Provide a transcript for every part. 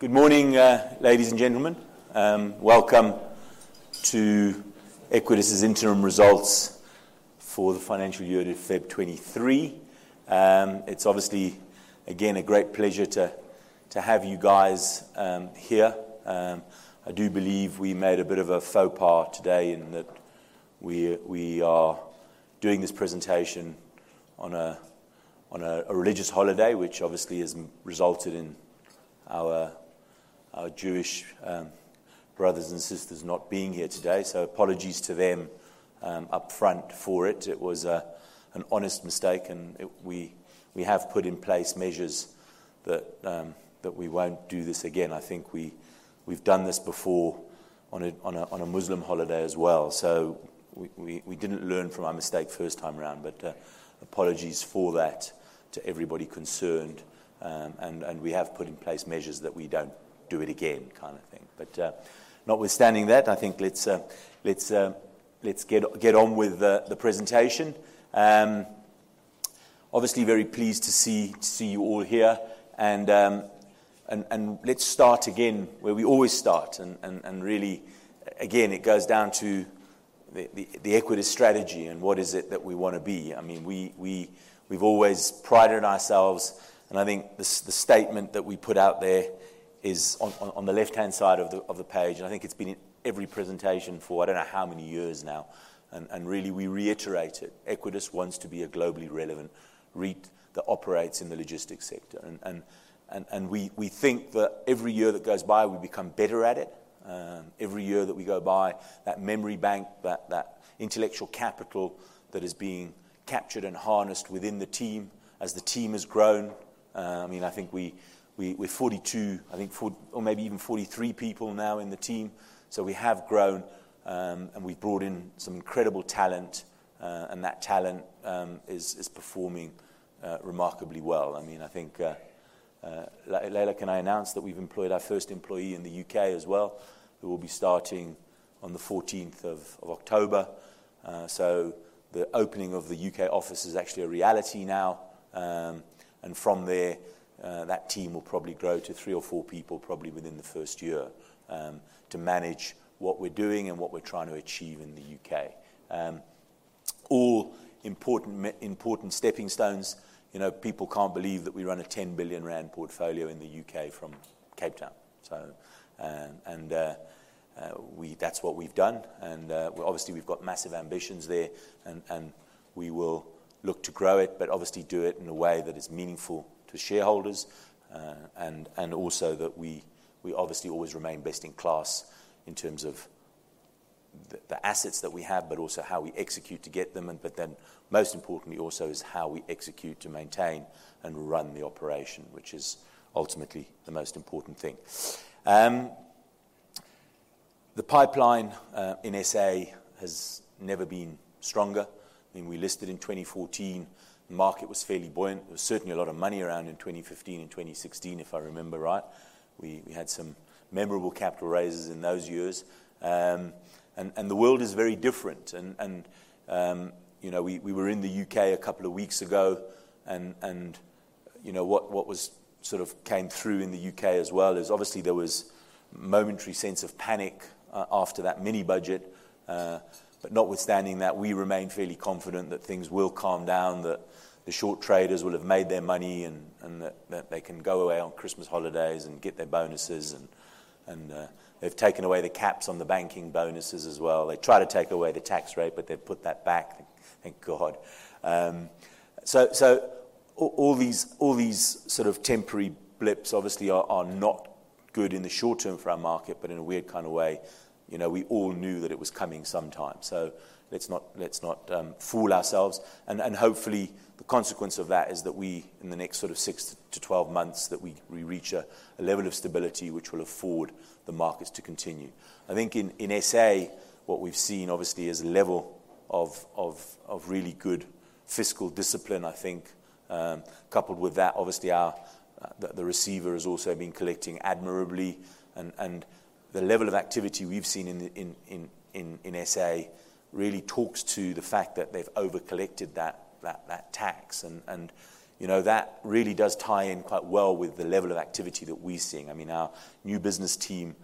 Okay. Good morning, ladies and gentlemen. Welcome to Equites' interim results for the financial year to February 2023. It's obviously again a great pleasure to have you guys here. I do believe we made a bit of a faux pas today, in that we are doing this presentation on a religious holiday which obviously has resulted in our Jewish brothers and sisters not being here today. Apologies to them up front for it. It was an honest mistake and we have put in place measures that we won't do this again. I think we've done this before on a Muslim holiday as well. We didn't learn from our mistake first time around. Apologies for that to everybody concerned. We have put in place measures that we don't do it again thing. Notwithstanding that, I think let's get on with the presentation. Obviously,, very pleased to see you all here. Let's start again where we always start and really again, it goes down to the Equites strategy and what is it that we wanna be. I mean, we've always prided ourselves and I think the statement that we put out there is on the left-hand side of the page, and I think it's been in every presentation for I don't know how many years now, and really we reiterate it. Equites wants to be a globally relevant REIT that operates in the logistics sector. We think that every year that goes by, we become better at it. Every year that goes by, that memory bank, that intellectual capital that is being captured and harnessed within the team as the team has grown. we're 42, I think or maybe even 43 people now in the team. We have grown, and we've brought in some incredible talent, and that talent is performing remarkably well. I mean, I think, Leila can I announce that we've employed our first employee in the U.K. as well, who will be starting on the 14th of October? The opening of the U.K. office is actually a reality now. From there, that team will probably grow to three or four people, probably within the first year, to manage what we're doing and what we're trying to achieve in the U.K. All important stepping stones. You know, people can't believe that we run a 10 billion rand portfolio in the U.K. from Cape Town. That's what we've done. Obviously we've got massive ambitions there and we will look to grow it, but obviously do it in a way that is meaningful to shareholders. Also that we obviously always remain best in class in terms of the assets that we have, but also how we execute to get them, but most importantly, how we execute to maintain and run the operation, which is ultimately the most important thing. The pipeline in SA has never been stronger. I mean, we listed in 2014. The market was fairly buoyant. There was certainly a lot of money around in 2015 and 2016, if I remember right. We had some memorable capital raises in those years. The world is very different we were in the U.K. a couple of weeks ago, you know, what sort of came through in the U.K. as well is obviously there was a momentary sense of panic after that mini-budget. Notwithstanding that, we remain fairly confident that things will calm down, that the short traders will have made their money, and that they can go away on Christmas holidays and get their bonuses, and they've taken away the caps on the banking bonuses as well. They tried to take away the tax rate, but they've put that back. Thank God. All these sort of temporary blips obviously are not good in the short-term for our market. In a weird way, you know, we all knew that it was coming sometime. Let's not fool ourselves. Hopefully, the consequence of that is that we, in the next sort of 6-12 months, reach a level of stability which will afford the markets to continue. I think in SA, what we've seen obviously is a level of really good fiscal discipline, I think. Coupled with that, obviously the receiver has also been collecting admirably and the level of activity we've seen in SA really talks to the fact that they've over collected that tax. That really does tie in quite well with the level of activity that we're seeing. I mean, our new business team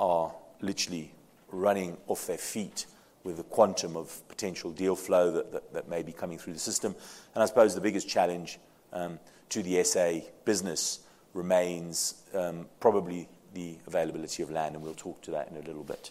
are literally running off their feet with the quantum of potential deal flow that may be coming through the system. I suppose the biggest challenge to the SA business remains probably the availability of land, and we'll talk to that in a little bit.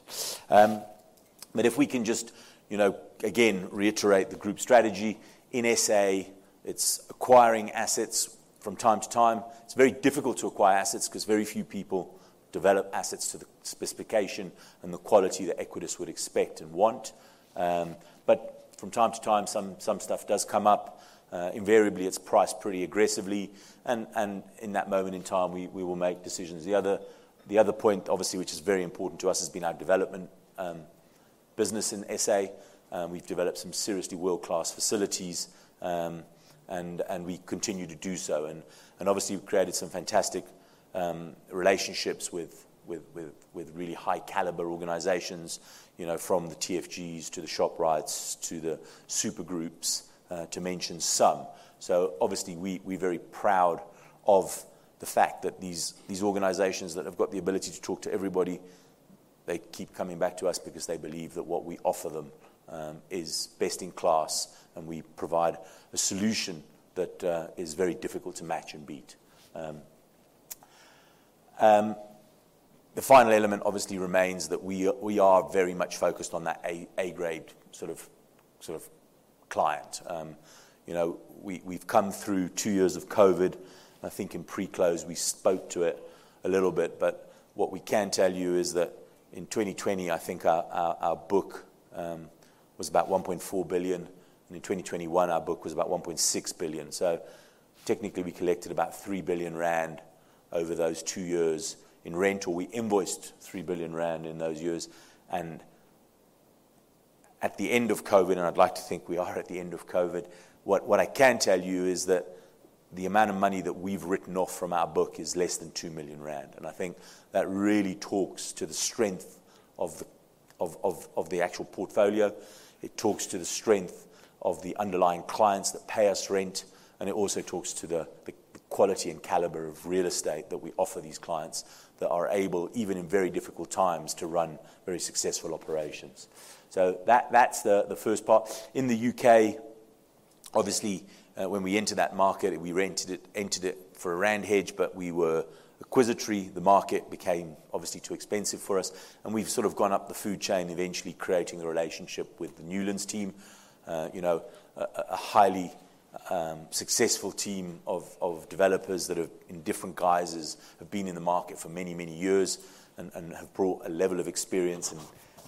If we can just, you know, again, reiterate the group strategy. In SA, it's acquiring assets from time to time. It's very difficult to acquire assets because very few people develop assets to the specification and the quality that Equites would expect and want. From time to time, some stuff does come up. Invariably it's priced pretty aggressively and in that moment in time, we will make decisions. The other point, obviously, which is very important to us, has been our development business in SA. We've developed some seriously world-class facilities, and we continue to do so. Obviously we've created some fantastic relationships with really high-caliber organizations, you know, from the TFGs to the Shoprites to the Super Groups, to mention some. Obviously, we are very proud of the fact that these organizations that have got the ability to talk to everybody, they keep coming back to us because they believe that what we offer them is best in class and we provide a solution that is very difficult to match and beat. The final element obviously remains that we are very much focused on that A-grade sort of client. You know, we've come through two years of COVID. I think in pre-close we spoke to it a little bit, but what we can tell you is that in 2020, I think our book was about 1.4 billion. In 2021, our book was about 1.6 billion. Technically we collected about 3 billion rand over those two years in rental. We invoiced 3 billion rand in those years. At the end of COVID, and I'd like to think we are at the end of COVID, what I can tell you is that the amount of money that we've written off from our book is less than 2 million rand. I think that really talks to the strength of the actual portfolio. It talks to the strength of the underlying clients that pay us rent, and it also talks to the quality and caliber of real estate that we offer these clients that are able, even in very difficult times, to run very successful operations. That’s the first part. In the U.K., obviously, when we entered that market, we entered it for a rand hedge, but we were acquisitive. The market became obviously too expensive for us, and we’ve sort of gone up the food chain, eventually creating a relationship with the Newlands team. A highly successful team of developers that have, in different guises, have been in the market for many years and have brought a level of experience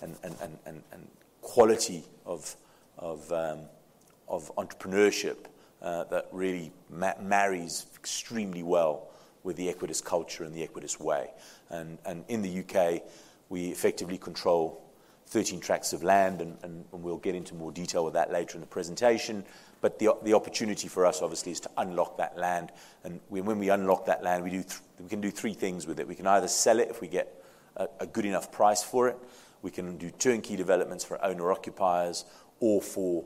and quality of entrepreneurship that really marries extremely well with the Equites culture and the Equites way. In the U.K., we effectively control 13 tracts of land, and we'll get into more detail of that later in the presentation. The opportunity for us obviously is to unlock that land. When we unlock that land, we can do three things with it. We can either sell it if we get a good enough price for it. We can do turnkey developments for owner-occupiers or for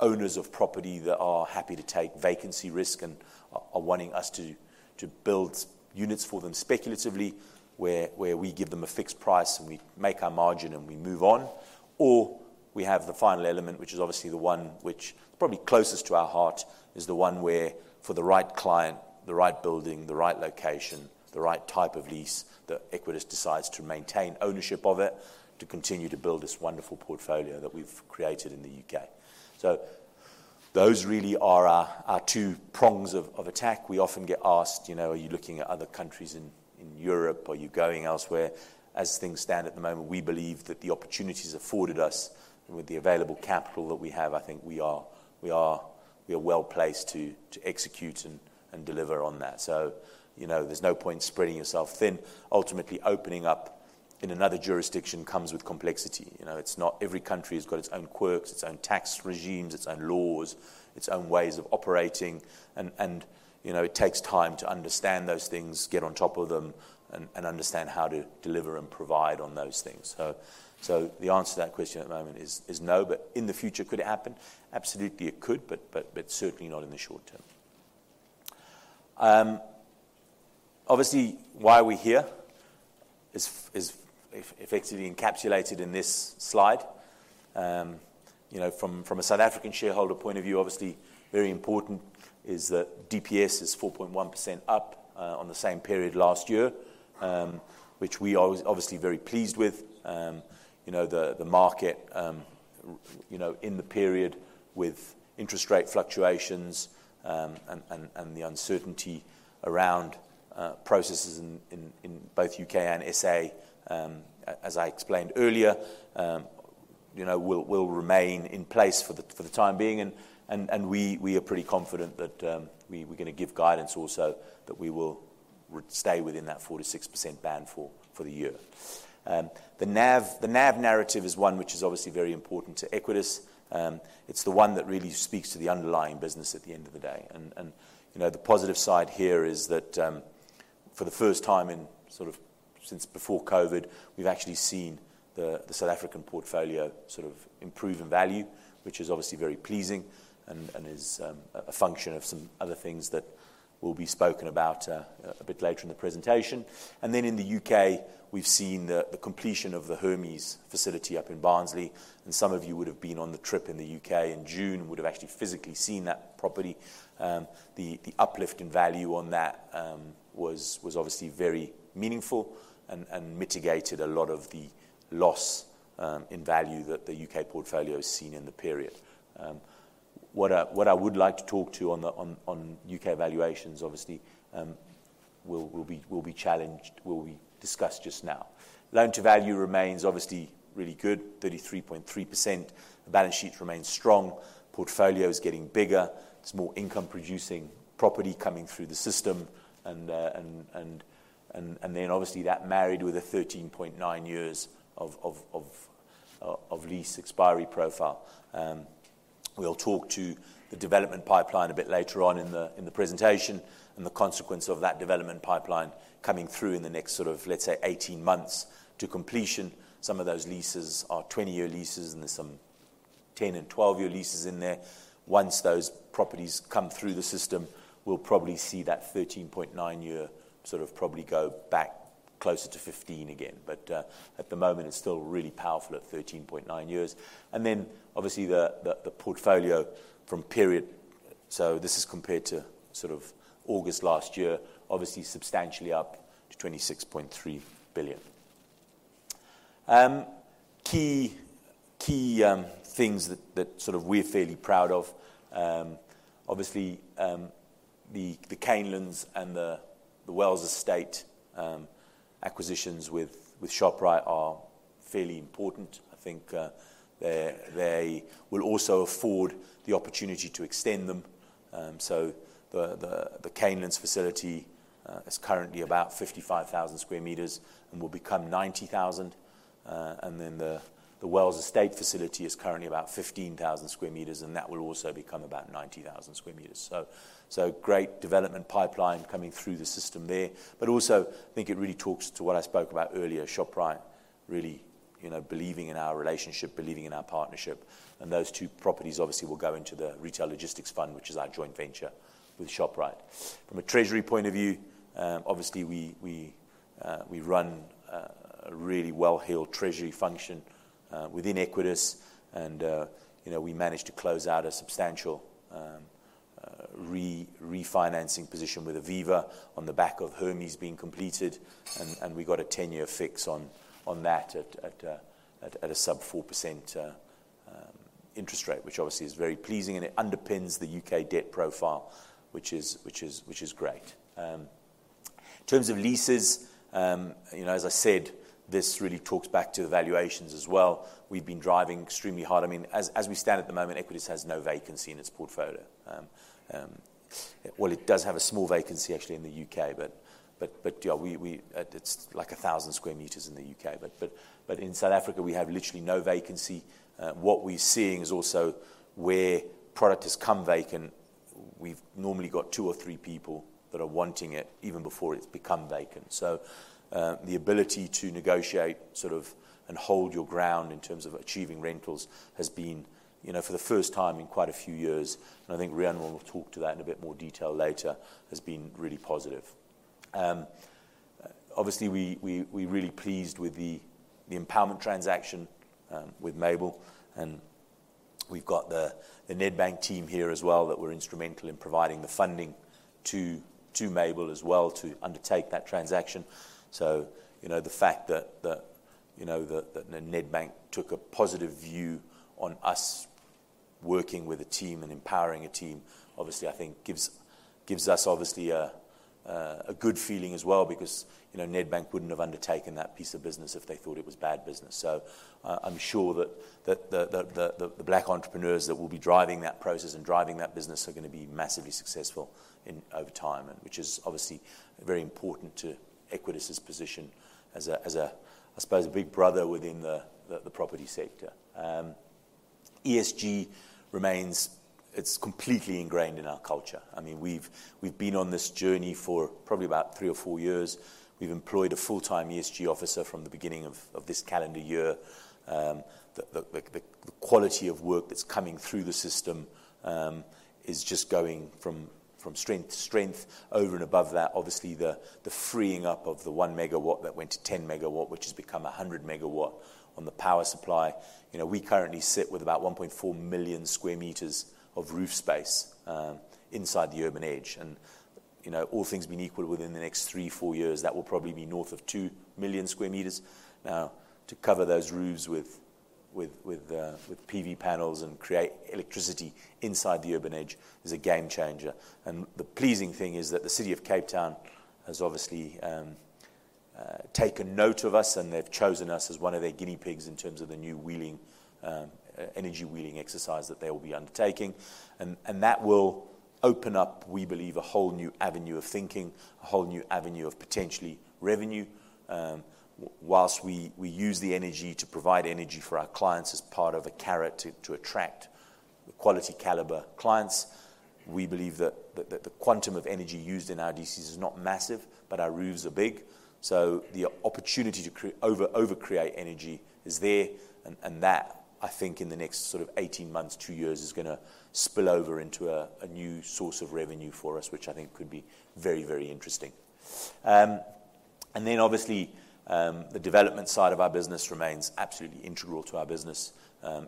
owners of property that are happy to take vacancy risk and are wanting us to build units for them speculatively, where we give them a fixed price and we make our margin and we move on. We have the final element, which is obviously the one which is probably closest to our heart, is the one where for the right client, the right building, the right location, the right type of lease, that Equites decides to maintain ownership of it to continue to build this wonderful portfolio that we've created in the U.K.. Those really are our two prongs of attack. We often get asked, you know, are you looking at other countries in Europe? Are you going elsewhere? As things stand at the moment, we believe that the opportunities afforded us with the available capital that we have. I think we are well-placed to execute and deliver on that. You know, there's no point spreading yourself thin. Ultimately, opening up in another jurisdiction comes with complexity. You know, it's not every country has got its own quirks, its own tax regimes, its own laws, its own ways of operating. You know, it takes time to understand those things, get on top of them and understand how to deliver and provide on those things. So the answer to that question at the moment is no. But in the future, could it happen? Absolutely, it could, but certainly not in the short term. Obviously, why are we here is effectively encapsulated in this slide. You know, from a South African shareholder point of view, obviously very important is that DPS is 4.1% up on the same period last year, which we are obviously very pleased with. You know, the market in the period with interest rate fluctuations and the uncertainty around processes in both U.K. and S.A., as I explained earlier, will remain in place for the time being. We are pretty confident that we're gonna give guidance also that we will stay within that 4%-6% band for the year. The NAV narrative is one which is obviously very important to Equites. It's the one that really speaks to the underlying business at the end of the day. You know, the positive side here is that, for the first time in sort of since before COVID, we've actually seen the South African portfolio sort of improve in value, which is obviously very pleasing and is a function of some other things that will be spoken about a bit later in the presentation. Then in the U.K., we've seen the completion of the Hermes facility up in Barnsley, and some of you would have been on the trip in the U.K. in June, would have actually physically seen that property. The uplift in value on that was obviously very meaningful and mitigated a lot of the loss in value that the U.K. portfolio has seen in the period. What I would like to talk to on the U.K. valuations obviously will be challenged, will be discussed just now. Loan to value remains obviously really good, 33.3%. The balance sheet remains strong. Portfolio is getting bigger. There's more income producing property coming through the system and then obviously that married with a 13.9 years of lease expiry profile. We'll talk to the development pipeline a bit later on in the presentation and the consequence of that development pipeline coming through in the next sort of, let's say, 18 months to completion. Some of those leases are 20-year leases, and there's some 10- and 12-year leases in there. Once those properties come through the system, we'll probably see that 13.9-year sort of probably go back closer to 15 again. At the moment, it's still really powerful at 13.9 years. Then obviously the portfolio from prior period. This is compared to sort of August last year, obviously substantially up to 26.3 billion. Key things that we're fairly proud of, obviously, the Canelands and the Wells Estate acquisitions with Shoprite are fairly important. I think, they will also afford the opportunity to extend them. The Canelands facility is currently about 55,000 sq m and will become 90,000. The Wells Estate facility is currently about 15,000 sq m, and that will also become about 90,000 sq m. Great development pipeline coming through the system there. Also, I think it really talks to what I spoke about earlier, Shoprite really, you know, believing in our relationship, believing in our partnership. Those two properties obviously will go into the Retail Logistics Fund, which is our joint venture with Shoprite. From a treasury point of view, obviously, we run a really well-heeled treasury function within Equites. You know, we managed to close out a substantial refinancing position with Aviva on the back of Hermes being completed. We got a ten-year fix on that at a sub 4% interest rate, which obviously is very pleasing and it underpins the U.K. debt profile, which is great. In terms of leases, you know, as I said, this really talks back to valuations as well. We've been driving extremely hard. I mean, as we stand at the moment, Equites has no vacancy in its portfolio. Well, it does have a small vacancy actually in the U.K., but yeah, it's like 1,000 sq m in the U.K. In South Africa, we have literally no vacancy. What we're seeing is also where product has come vacant, we've normally got two or three people that are wanting it even before it's become vacant. The ability to negotiate sort of and hold your ground in terms of achieving rentals has been, you know, for the first time in quite a few years, and I think Riaan will talk to that in a bit more detail later, has been really positive. Obviously, we're really pleased with the empowerment transaction with Mabel, and we've got the Nedbank team here as well that were instrumental in providing the funding to Mabel as well to undertake that transaction. You know, the fact that Nedbank took a positive view on us working with a team and empowering a team, obviously, I think gives us a good feeling as well because, you know, Nedbank wouldn't have undertaken that piece of business if they thought it was bad business. I'm sure that the Black entrepreneurs that will be driving that process and driving that business are gonna be massively successful over time, and which is obviously very important to Equites' position as a, I suppose, a big brother within the property sector. ESG remains. It's completely ingrained in our culture. I mean, we've been on this journey for probably about three or four years. We've employed a full-time ESG officer from the beginning of this calendar year. The quality of work that's coming through the system is just going from strength to strength over and above that. Obviously, the freeing up of the 1 MW that went to 10 MW, which has become a 100 MW on the power supply. You know, we currently sit with about 1.4 million sq m of roof space inside the urban edge. You know, all things being equal within the next 3-4 years, that will probably be north of 2 million sq m. Now, to cover those roofs with PV panels and create electricity inside the urban edge is a game changer. The pleasing thing is that the City of Cape Town has obviously taken note of us, and they've chosen us as one of their guinea pigs in terms of the new wheeling energy wheeling exercise that they will be undertaking. That will open up, we believe, a whole new avenue of thinking, a whole new avenue of potentially revenue. While we use the energy to provide energy for our clients as part of a carrot to attract the quality caliber clients, we believe that the quantum of energy used in our DCs is not massive, but our roofs are big. The opportunity to over-create energy is there. That I think in the next sort of 18 months, 2 years, is gonna spill over into a new source of revenue for us, which I think could be very interesting. Obviously, the development side of our business remains absolutely integral to our business.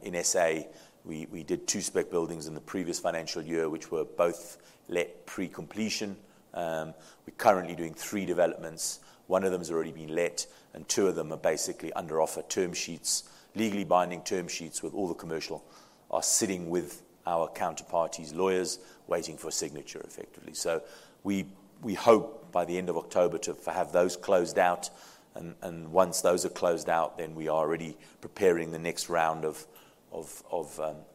In SA, we did 2 spec buildings in the previous financial year, which were both let pre-completion. We're currently doing 3 developments. One of them has already been let, and two of them are basically under offer term sheets. Legally binding term sheets with all the commercial are sitting with our counterparties' lawyers waiting for a signature, effectively. We hope by the end of October to have those closed out. Once those are closed out, we are already preparing the next round of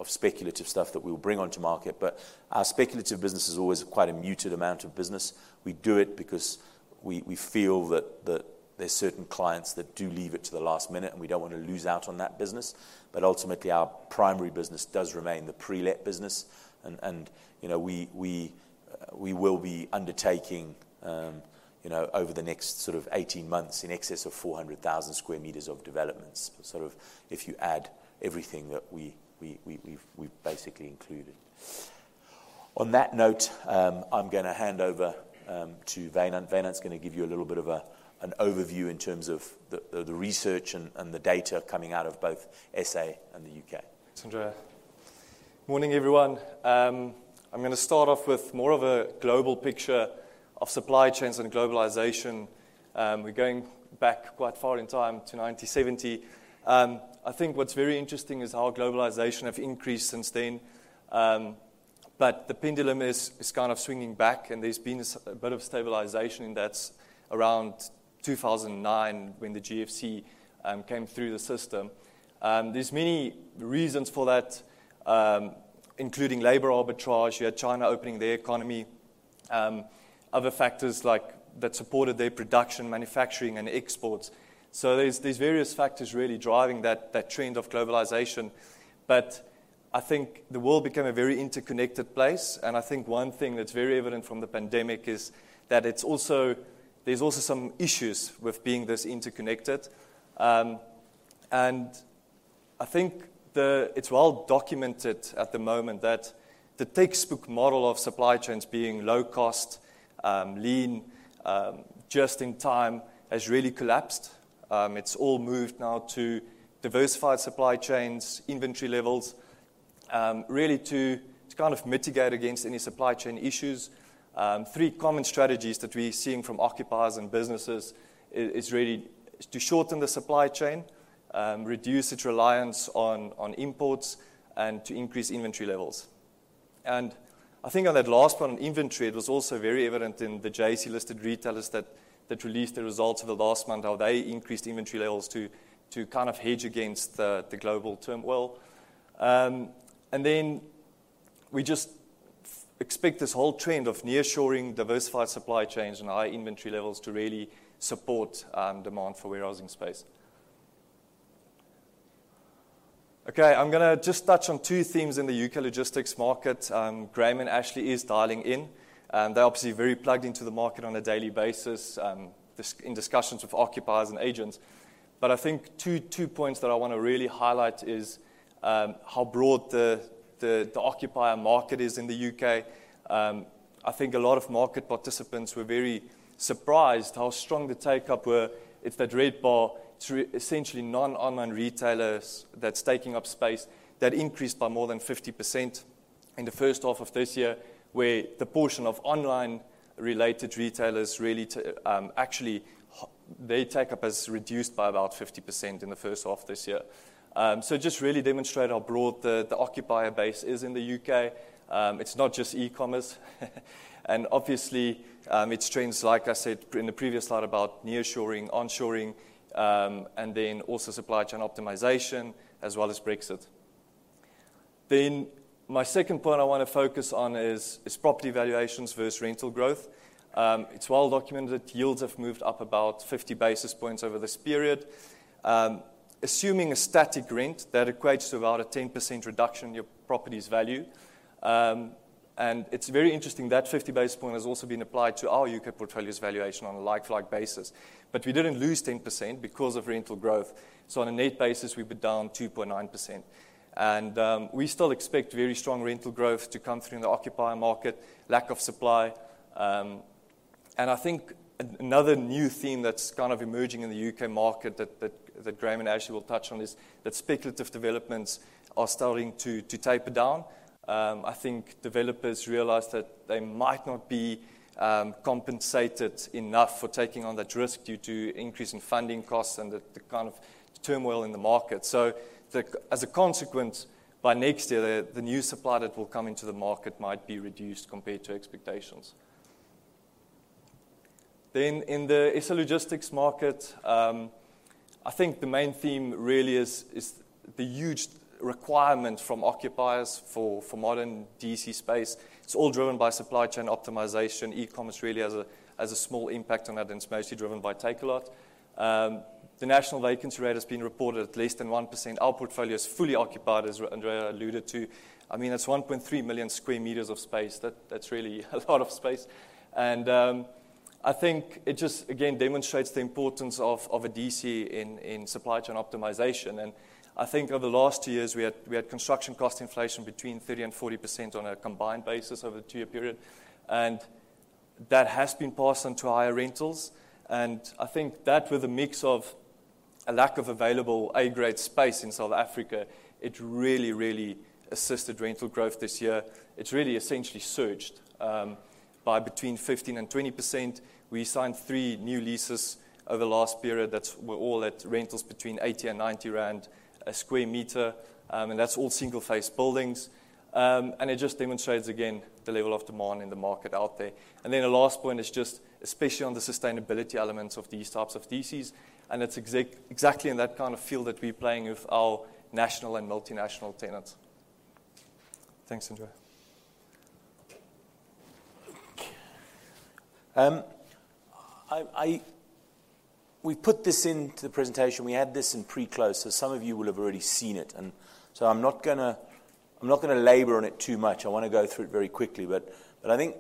speculative stuff that we'll bring onto market. Our speculative business is always quite a muted amount of business. We do it because we feel that there's certain clients that do leave it to the last minute, and we don't wanna lose out on that business. Ultimately, our primary business does remain the pre-let business. You know, we will be undertaking, you know, over the next sort of 18 months in excess of 400,000 sq m of developments, sort of if you add everything that we've basically included. On that note, I'm going to hand over to Wynand. Wynand's going to give you a little bit of an overview in terms of the research and the data coming out of both SA and the U.K. Thanks, Andrea. Morning, everyone. I'm gonna start off with more of a global picture of supply chains and globalization. We're going back quite far in time to 1970. I think what's very interesting is how globalization have increased since then, but the pendulum is kind of swinging back, and there's been a bit of stabilization, and that's around 2009 when the GFC came through the system. There's many reasons for that, including labor arbitrage. You had China opening their economy, other factors, like, that supported their production, manufacturing, and exports. There's various factors really driving that trend of globalization. I think the world became a very interconnected place, and I think one thing that's very evident from the pandemic is that it's also some issues with being this interconnected. I think it's well documented at the moment that the textbook model of supply chains being low cost, lean, just in time has really collapsed. It's all moved now to diversified supply chains, inventory levels, really to kind of mitigate against any supply chain issues. Three common strategies that we're seeing from occupiers and businesses is really to shorten the supply chain, reduce its reliance on imports, and to increase inventory levels. I think on that last one, inventory, it was also very evident in the JSE-listed retailers that released the results for the last month, how they increased inventory levels to kind of hedge against the global turmoil. We just expect this whole trend of nearshoring, diversified supply chains, and high inventory levels to really support demand for warehousing space. Okay, I'm gonna just touch on two themes in the U.K. logistics market. Graham and Ashley is dialing in. They're obviously very plugged into the market on a daily basis, in discussions with occupiers and agents. I think two points that I wanna really highlight is how broad the occupier market is in the U.K. I think a lot of market participants were very surprised how strong the take-up were. It's that red bar. It's really essentially non-online retailers that's taking up space. That increased by more than 50% in the first half of this year, where the portion of online-related retailers really, too, actually their take-up has reduced by about 50% in the first half of this year. Just really demonstrate how broad the occupier base is in the U.K. It's not just e-commerce. Obviously, it's trends, like I said in the previous slide about nearshoring, onshoring, and then also supply chain optimization, as well as Brexit. My second point I wanna focus on is property valuations versus rental growth. It's well documented that yields have moved up about 50 basis points over this period. Assuming a static rent, that equates to about a 10% reduction in your property's value. It's very interesting that 50 basis points has also been applied to our U.K. portfolio's valuation on a like-for-like basis. We didn't lose 10% because of rental growth. On a net basis, we've been down 2.9%. We still expect very strong rental growth to come through in the occupier market, lack of supply. I think another new theme that's kind of emerging in the U.K. market that Graham and Ashley will touch on is that speculative developments are starting to taper down. I think developers realized that they might not be compensated enough for taking on that risk due to increase in funding costs and the kind of turmoil in the market. As a consequence, by next year, the new supply that will come into the market might be reduced compared to expectations. In the SA logistics market, I think the main theme really is the huge requirement from occupiers for modern DC space. It's all driven by supply chain optimization. E-commerce really has a small impact on that, and it's mostly driven by Takealot. The national vacancy rate has been reported at less than 1%. Our portfolio is fully occupied, as Andrea alluded to. I mean, that's 1.3 million sq m of space. That's really a lot of space. I think it just again demonstrates the importance of a DC in supply chain optimization. I think over the last two years, we had construction cost inflation between 30%-40% on a combined basis over a two-year period. That has been passed on to higher rentals. I think that with a mix of a lack of available A-grade space in South Africa, it really assisted rental growth this year. It's really essentially surged by 15%-20%. We signed three new leases over the last period that were all at rentals between 80 to 90 rand a sq m, and that's all single-phase buildings. It just demonstrates again the level of demand in the market out there. The last point is just especially on the sustainability elements of these types of DCs, and it's exactly in that kind of field that we're playing with our national and multinational tenants. Thanks, Andrea. We've put this into the presentation. We had this in pre-close, so some of you will have already seen it. I'm not gonna labor on it too much. I wanna go through it very quickly. I think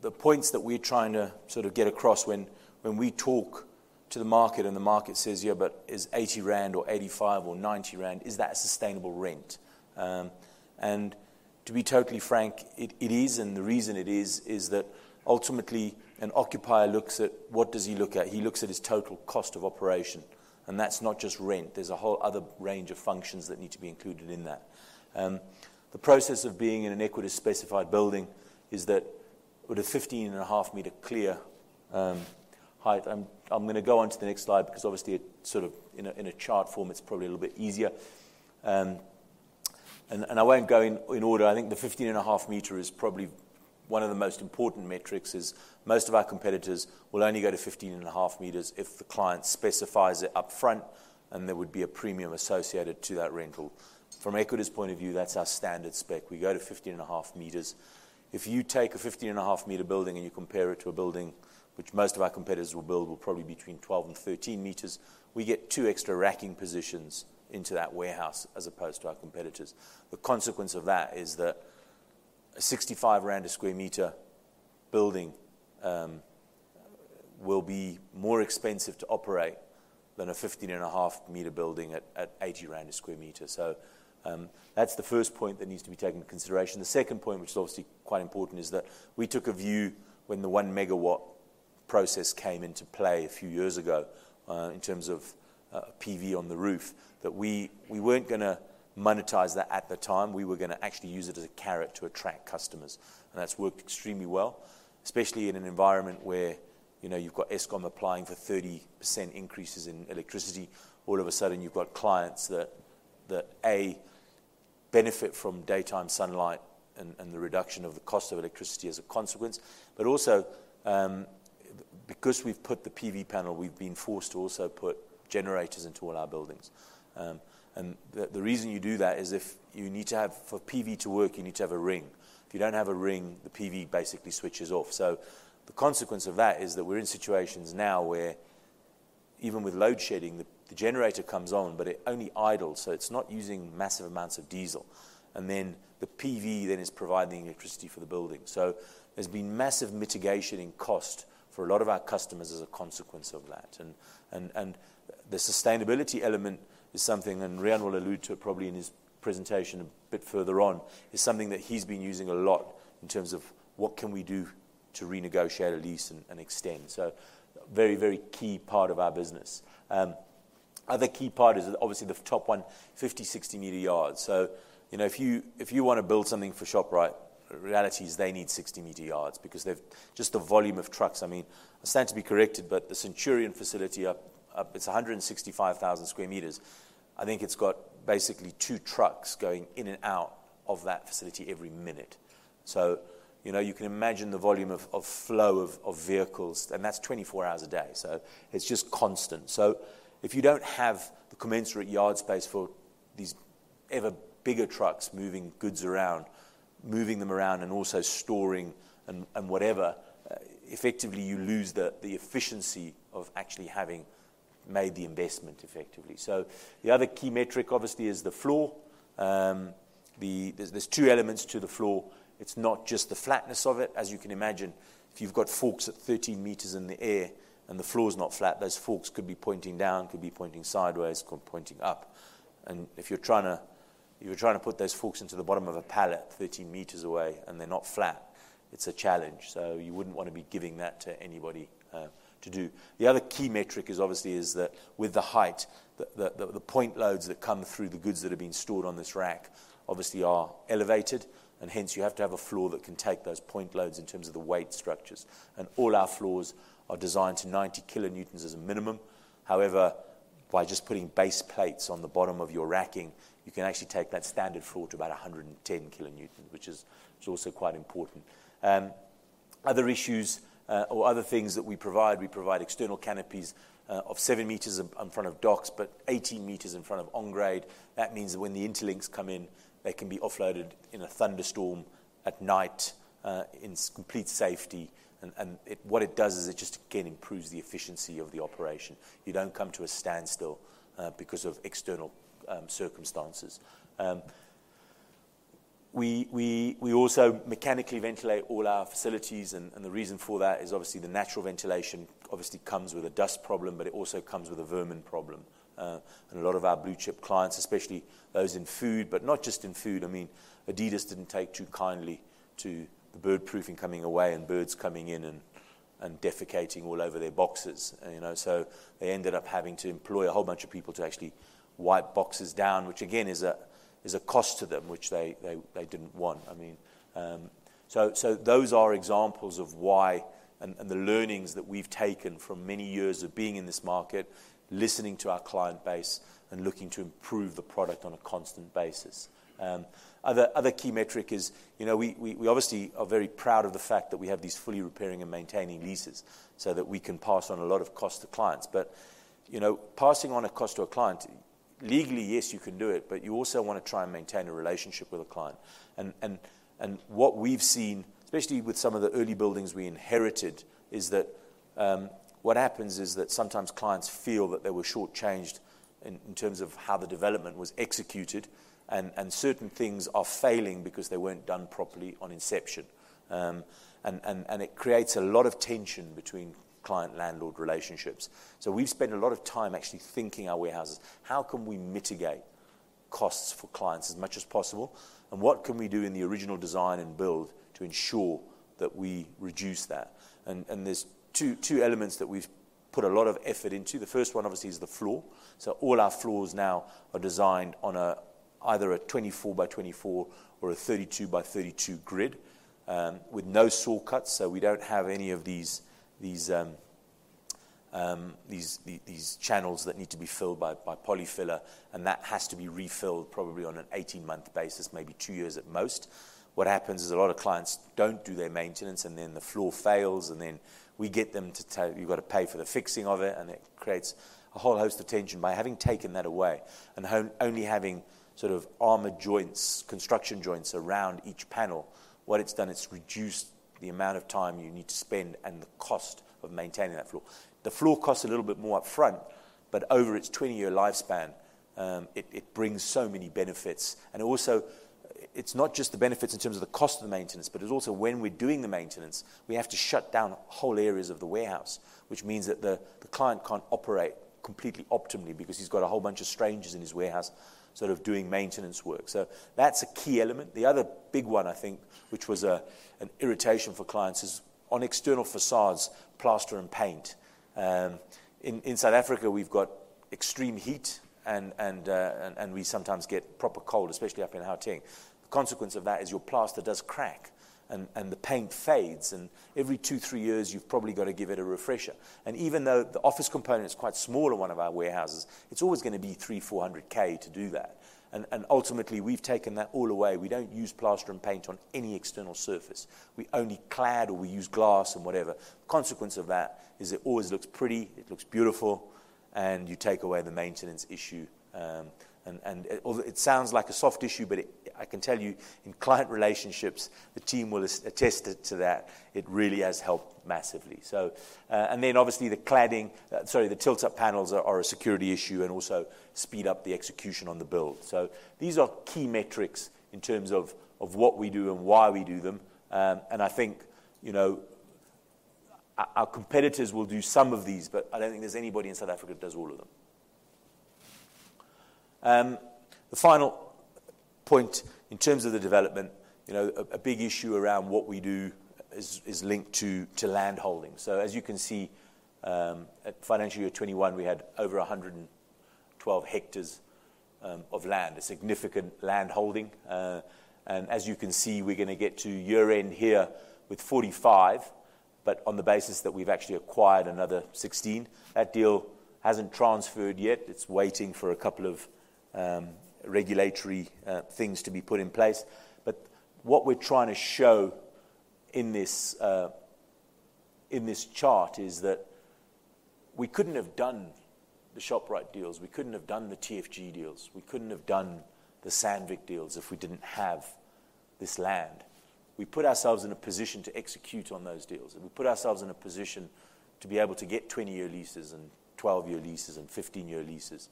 the points that we're trying to sort of get across when we talk to the market and the market says, "Yeah, but is 80 rand or 85 or 90 rand, is that a sustainable rent?" To be totally frank, it is. The reason it is is that ultimately an occupier looks at what he looks at. He looks at his total cost of operation. That's not just rent. There's a whole other range of functions that need to be included in that. The process of being in an Equites-specified building is that with a 15.5-meter clear height. I'm gonna go on to the next slide because obviously it sort of in a chart form, it's probably a little bit easier. I won't go in order. I think the 15.5-meter is probably one of the most important metrics. Most of our competitors will only go to 15.5 meters if the client specifies it up front, and there would be a premium associated to that rental. From Equites' point of view, that's our standard spec. We go to 15.5 meters. If you take a 15.5-meter building and you compare it to a building which most of our competitors will build, probably between 12 and 13 meters, we get two extra racking positions into that warehouse as opposed to our competitors. The consequence of that is that a 65/sq m building will be more expensive to operate than a 15.5-meter building at eighty rand a square meter. That's the first point that needs to be taken into consideration. The second point, which is obviously quite important, is that we took a view when the 1 MW process came into play a few years ago, in terms of PV on the roof, that we weren't gonna monetize that at the time. We were gonna actually use it as a carrot to attract customers, and that's worked extremely well, especially in an environment where, you know, you've got Eskom applying for 30% increases in electricity. All of a sudden, you've got clients that benefit from daytime sunlight and the reduction of the cost of electricity as a consequence. Also, because we've put the PV panel, we've been forced to also put generators into all our buildings. The reason you do that is if you need to have a ring. For PV to work, you need to have a ring. If you don't have a ring, the PV basically switches off. The consequence of that is that we're in situations now where even with load shedding, the generator comes on, but it only idles, so it's not using massive amounts of diesel. The PV then is providing electricity for the building. There's been massive mitigation in cost for a lot of our customers as a consequence of that. The sustainability element is something, and Riaan will allude to it probably in his presentation a bit further on, is something that he's been using a lot in terms of what can we do to renegotiate a lease and extend. Very, very key part of our business. Other key part is obviously the top 150, 60-meter yards. You know, if you wanna build something for Shoprite, reality is they need 60-meter yards because they've just the volume of trucks. I mean, I stand to be corrected, but the Centurion facility up, it's 165,000 sq m. I think it's got basically two trucks going in and out of that facility every minute. You know, you can imagine the volume of flow of vehicles, and that's 24 hours a day. It's just constant. If you don't have the commensurate yard space for these ever bigger trucks moving goods around and also storing and whatever, effectively you lose the efficiency of actually having made the investment effectively. The other key metric obviously is the floor. There's two elements to the floor. It's not just the flatness of it. As you can imagine, if you've got forks at 13 meters in the air and the floor's not flat, those forks could be pointing down, could be pointing sideways, could be pointing up. If you're trying to put those forks into the bottom of a pallet 13 meters away and they're not flat, it's a challenge. You wouldn't wanna be giving that to anybody to do. The other key metric is obviously that with the height, the point loads that come through the goods that are being stored on this rack obviously are elevated, and hence you have to have a floor that can take those point loads in terms of the weight structures. All our floors are designed to 90 kilonewtons as a minimum. However, by just putting base plates on the bottom of your racking, you can actually take that standard floor to about 110 kilonewtons, which is also quite important. Other issues or other things that we provide external canopies of 7 meters in front of docks, but 18 meters in front of on-grade. That means that when the interlinks come in, they can be offloaded in a thunderstorm at night in complete safety. What it does is it just, again, improves the efficiency of the operation. You don't come to a standstill because of external circumstances. We also mechanically ventilate all our facilities and the reason for that is obviously the natural ventilation obviously comes with a dust problem, but it also comes with a vermin problem. A lot of our blue chip clients, especially those in food, but not just in food. I mean, adidas didn't take too kindly to the bird-proofing coming away and birds coming in and defecating all over their boxes, you know? They ended up having to employ a whole bunch of people to actually wipe boxes down, which again is a cost to them, which they didn't want. I mean, those are examples of why and the learnings that we've taken from many years of being in this market, listening to our client base, and looking to improve the product on a constant basis. Other key metric is, you know, we obviously are very proud of the fact that we have these fully repairing and maintaining leases so that we can pass on a lot of cost to clients. You know, passing on a cost to a client. Legally, yes, you can do it, but you also wanna try and maintain a relationship with a client. What we've seen, especially with some of the early buildings we inherited, is that what happens is that sometimes clients feel that they were short-changed in terms of how the development was executed, and certain things are failing because they weren't done properly on inception. It creates a lot of tension between client-landlord relationships. We've spent a lot of time actually rethinking our warehouses. How can we mitigate costs for clients as much as possible? There's two elements that we've put a lot of effort into. The first one, obviously, is the floor. All our floors now are designed on either a 24x24 or a 32x32 grid with no saw cuts. We don't have any of these channels that need to be filled by polyfiller, and that has to be refilled probably on an 18-month basis, maybe 2 years at most. What happens is a lot of clients don't do their maintenance, and then the floor fails, and then we get them to tell, "You've got to pay for the fixing of it," and it creates a whole host of tension. By having taken that away and only having sort of armored joints, construction joints around each panel, what it's done, it's reduced the amount of time you need to spend and the cost of maintaining that floor. The floor costs a little bit more up front, but over its 20-year lifespan, it brings so many benefits. Also, it's not just the benefits in terms of the cost of the maintenance, but it's also when we're doing the maintenance, we have to shut down whole areas of the warehouse, which means that the client can't operate completely optimally because he's got a whole bunch of strangers in his warehouse sort of doing maintenance work. That's a key element. The other big one, I think, which was an irritation for clients is on external facades, plaster and paint. In South Africa, we've got extreme heat and we sometimes get proper cold, especially up in Gauteng. The consequence of that is your plaster does crack, and the paint fades, and every 2-3 years, you've probably got to give it a refresher. Even though the office component is quite small in one of our warehouses, it's always gonna be 300,000 to ZAR 400,000 to do that. Ultimately, we've taken that all away. We don't use plaster and paint on any external surface. We only clad, or we use glass and whatever. Consequence of that is it always looks pretty, it looks beautiful, and you take away the maintenance issue. It sounds like a soft issue, but I can tell you, in client relationships, the team will attest to that. It really has helped massively. Obviously the cladding, sorry, the tilt-up panels are a security issue and also speed up the execution on the build. These are key metrics in terms of what we do and why we do them. I think, you know, our competitors will do some of these, but I don't think there's anybody in South Africa that does all of them. The final point in terms of the development, you know, a big issue around what we do is linked to landholding. As you can see, at financial year 2021, we had over 112 hectares of land, a significant land holding. As you can see, we're gonna get to year-end here with 45, but on the basis that we've actually acquired another 16. That deal hasn't transferred yet. It's waiting for a couple of regulatory things to be put in place. What we're trying to show in this chart is that we couldn't have done the Shoprite deals, we couldn't have done the TFG deals, we couldn't have done the Sandvik deals if we didn't have this land. We put ourselves in a position to execute on those deals, and we put ourselves in a position to be able to get 20-year leases and 12-year leases and 15-year leases.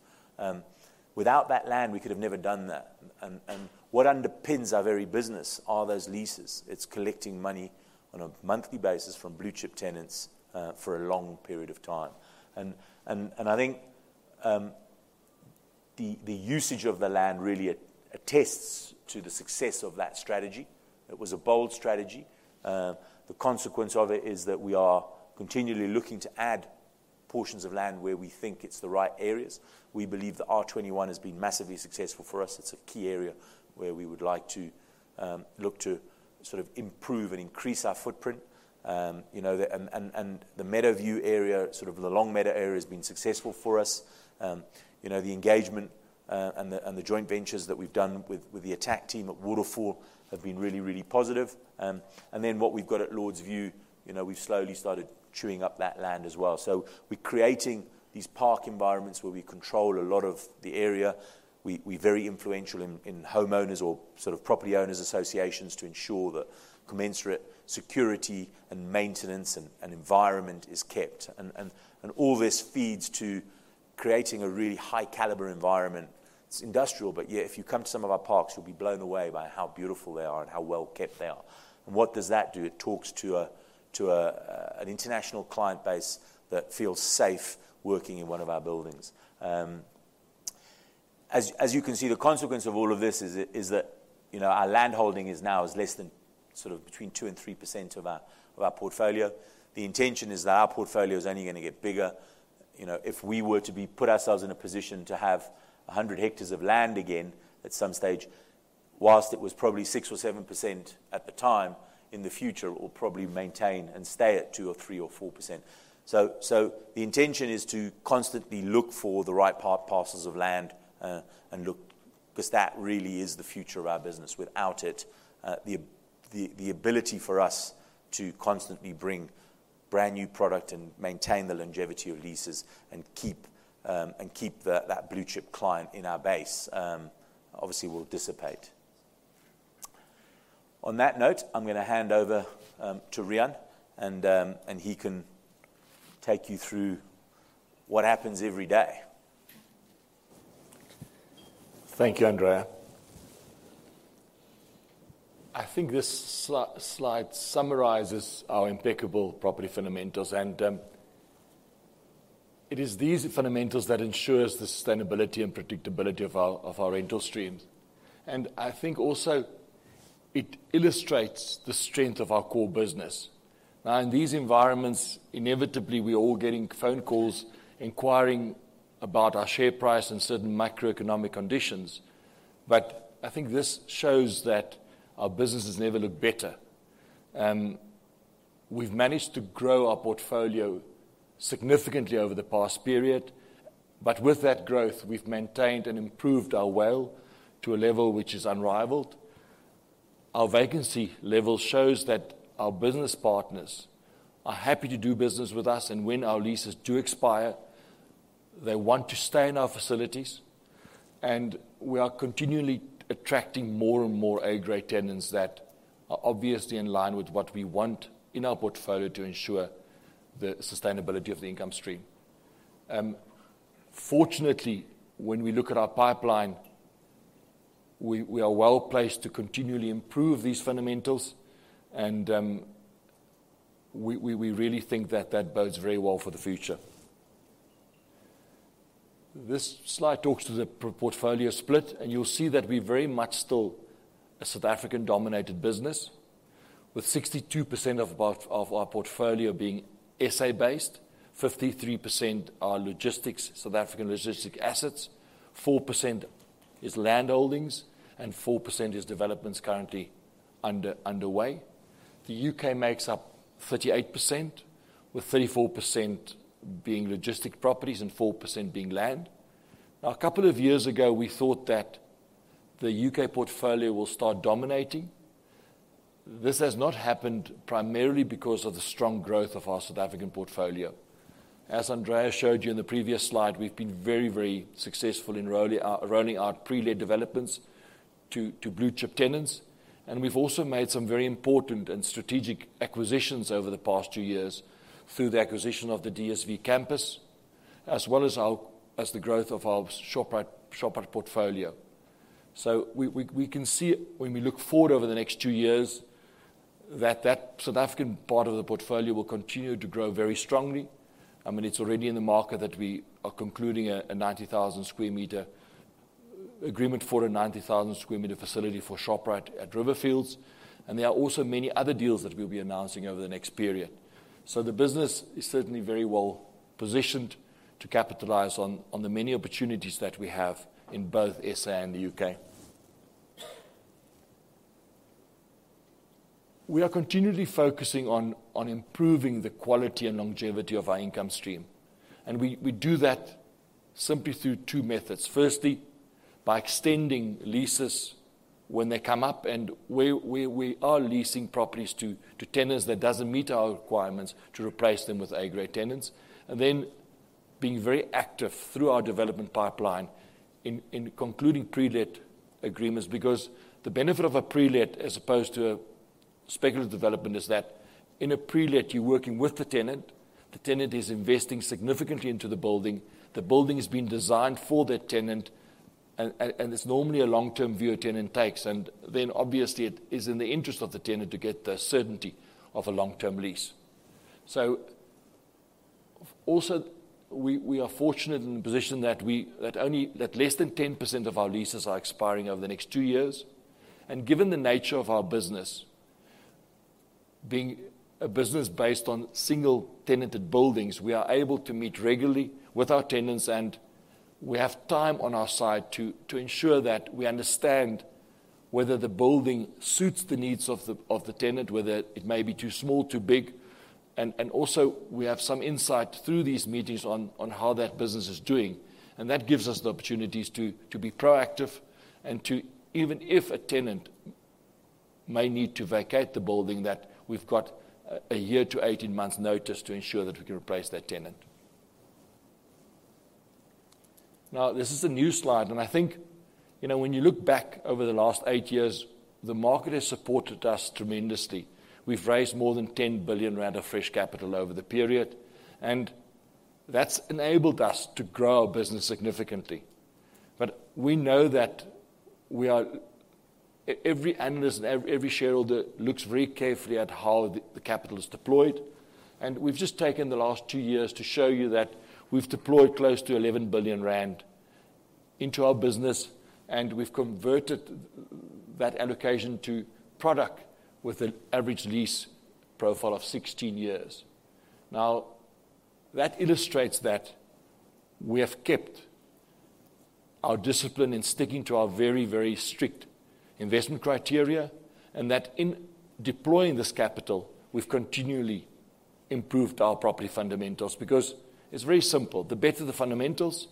Without that land, we could have never done that. I think the usage of the land really attests to the success of that strategy. It was a bold strategy. The consequence of it is that we are continually looking to add portions of land where we think it's the right areas. We believe that R21 has been massively successful for us. It's a key area where we would like to look to sort of improve and increase our footprint. You know, and the Meadowview area, sort of the Longmeadow area has been successful for us. You know, the engagement and the joint ventures that we've done with the Atterbury team at Waterfall have been really positive. What we've got at Lordsview, you know, we've slowly started chewing up that land as well. We're creating these park environments where we control a lot of the area. We're very influential in homeowners or sort of property owners associations to ensure that commensurate security and maintenance and environment is kept. All this feeds to creating a really high caliber environment. It's industrial, but yet if you come to some of our parks, you'll be blown away by how beautiful they are and how well-kept they are. What does that do? It talks to an international client base that feels safe working in one of our buildings. As you can see, the consequence of all of this is that, you know, our land holding is now less than sort of between 2%-3% of our portfolio. The intention is that our portfolio is only gonna get bigger. You know, if we were to be put ourselves in a position to have 100 hectares of land again at some stage, while it was probably 6% or 7% at the time, in the future, it will probably maintain and stay at 2%, 3%, or 4%. The intention is to constantly look for the right parcels of land and look, because that really is the future of our business. Without it, the ability for us to constantly bring brand-new product and maintain the longevity of leases and keep that blue-chip client in our base obviously will dissipate. On that note, I'm gonna hand over to Riaan, and he can take you through what happens every day. Thank you, Andrea. I think this slide summarizes our impeccable property fundamentals, and it is these fundamentals that ensures the sustainability and predictability of our rental streams. I think also it illustrates the strength of our core business. Now, in these environments, inevitably, we're all getting phone calls inquiring about our share price and certain macroeconomic conditions. I think this shows that our business has never looked better. We've managed to grow our portfolio significantly over the past period, but with that growth, we've maintained and improved our WALE to a level which is unrivaled. Our vacancy level shows that our business partners are happy to do business with us, and when our leases do expire, they want to stay in our facilities. We are continually attracting more and more A-grade tenants that are obviously in line with what we want in our portfolio to ensure the sustainability of the income stream. Fortunately, when we look at our pipeline, we are well-placed to continually improve these fundamentals, and we really think that bodes very well for the future. This slide talks to the portfolio split, and you'll see that we're very much still a South African-dominated business with 62% of our portfolio being SA-based. 53% are logistics, South African logistics assets. 4% is landholdings, and 4% is developments currently underway. The U.K. makes up 38%, with 34% being logistics properties and 4% being land. Now, a couple of years ago, we thought that the U.K. Portfolio will start dominating. This has not happened primarily because of the strong growth of our South African portfolio. As Andrea showed you in the previous slide, we've been very, very successful in rolling out pre-let developments to blue-chip tenants, and we've also made some very important and strategic acquisitions over the past two years through the acquisition of the DSV campus, as well as the growth of our Shoprite portfolio. We can see when we look forward over the next two years that South African part of the portfolio will continue to grow very strongly. I mean, it's already in the market that we are concluding a 90,000 sq m agreement for a 90,000 sq m facility for Shoprite at Riverfields, and there are also many other deals that we'll be announcing over the next period. The business is certainly very well-positioned to capitalize on the many opportunities that we have in both SA and the U.K. We are continually focusing on improving the quality and longevity of our income stream, and we do that simply through two methods. Firstly, by extending leases when they come up, and where we are leasing properties to tenants that doesn't meet our requirements to replace them with A-grade tenants. Then being very active through our development pipeline in concluding pre-let agreements because the benefit of a pre-let as opposed to a speculative development is that in a pre-let, you're working with the tenant, the tenant is investing significantly into the building, the building is being designed for that tenant, and it's normally a long-term view a tenant takes. Obviously, it is in the interest of the tenant to get the certainty of a long-term lease. Also we are fortunate in the position that less than 10% of our leases are expiring over the next two years. Given the nature of our business, being a business based on single-tenanted buildings, we are able to meet regularly with our tenants, and we have time on our side to ensure that we understand whether the building suits the needs of the tenant, whether it may be too small, too big. Also we have some insight through these meetings on how that business is doing. That gives us the opportunities to be proactive and to Even if a tenant may need to vacate the building, that we've got 1 year to 18 months notice to ensure that we can replace that tenant. Now, this is a new slide, and I think, you know, when you look back over the last 8 years, the market has supported us tremendously. We've raised more than 10 billion rand of fresh capital over the period, and that's enabled us to grow our business significantly. But we know that every analyst and every shareholder looks very carefully at how the capital is deployed. We've just taken the last 2 years to show you that we've deployed close to 11 billion rand into our business, and we've converted that allocation to product with an average lease profile of 16 years. Now, that illustrates that we have kept our discipline in sticking to our very, very strict investment criteria and that in deploying this capital, we've continually improved our property fundamentals because it's very simple. The better the fundamentals,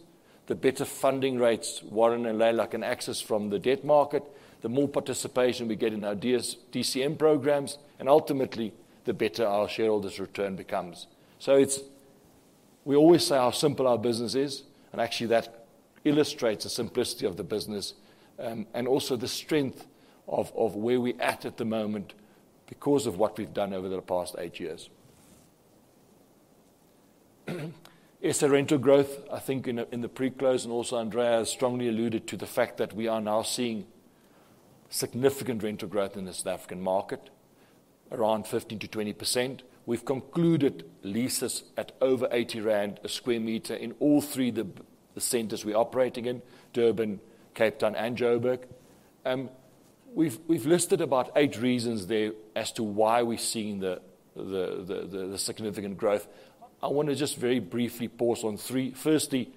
the better funding rates Warren and Leila can access from the debt market, the more participation we get in our DCM programs, and ultimately, the better our shareholders' return becomes. We always say how simple our business is, and actually that illustrates the simplicity of the business, and also the strength of where we at at the moment because of what we've done over the past eight years. Yes, the rental growth, I think in the pre-close, and also Andrea has strongly alluded to the fact that we are now seeing significant rental growth in the South African market, around 15%-20%. We've concluded leases at over 80 rand a sq m in all three centers we operating in, Durban, Cape Town and Joburg. We've listed about eight reasons there as to why we're seeing the significant growth. I wanna just very briefly pause on three. Firstly,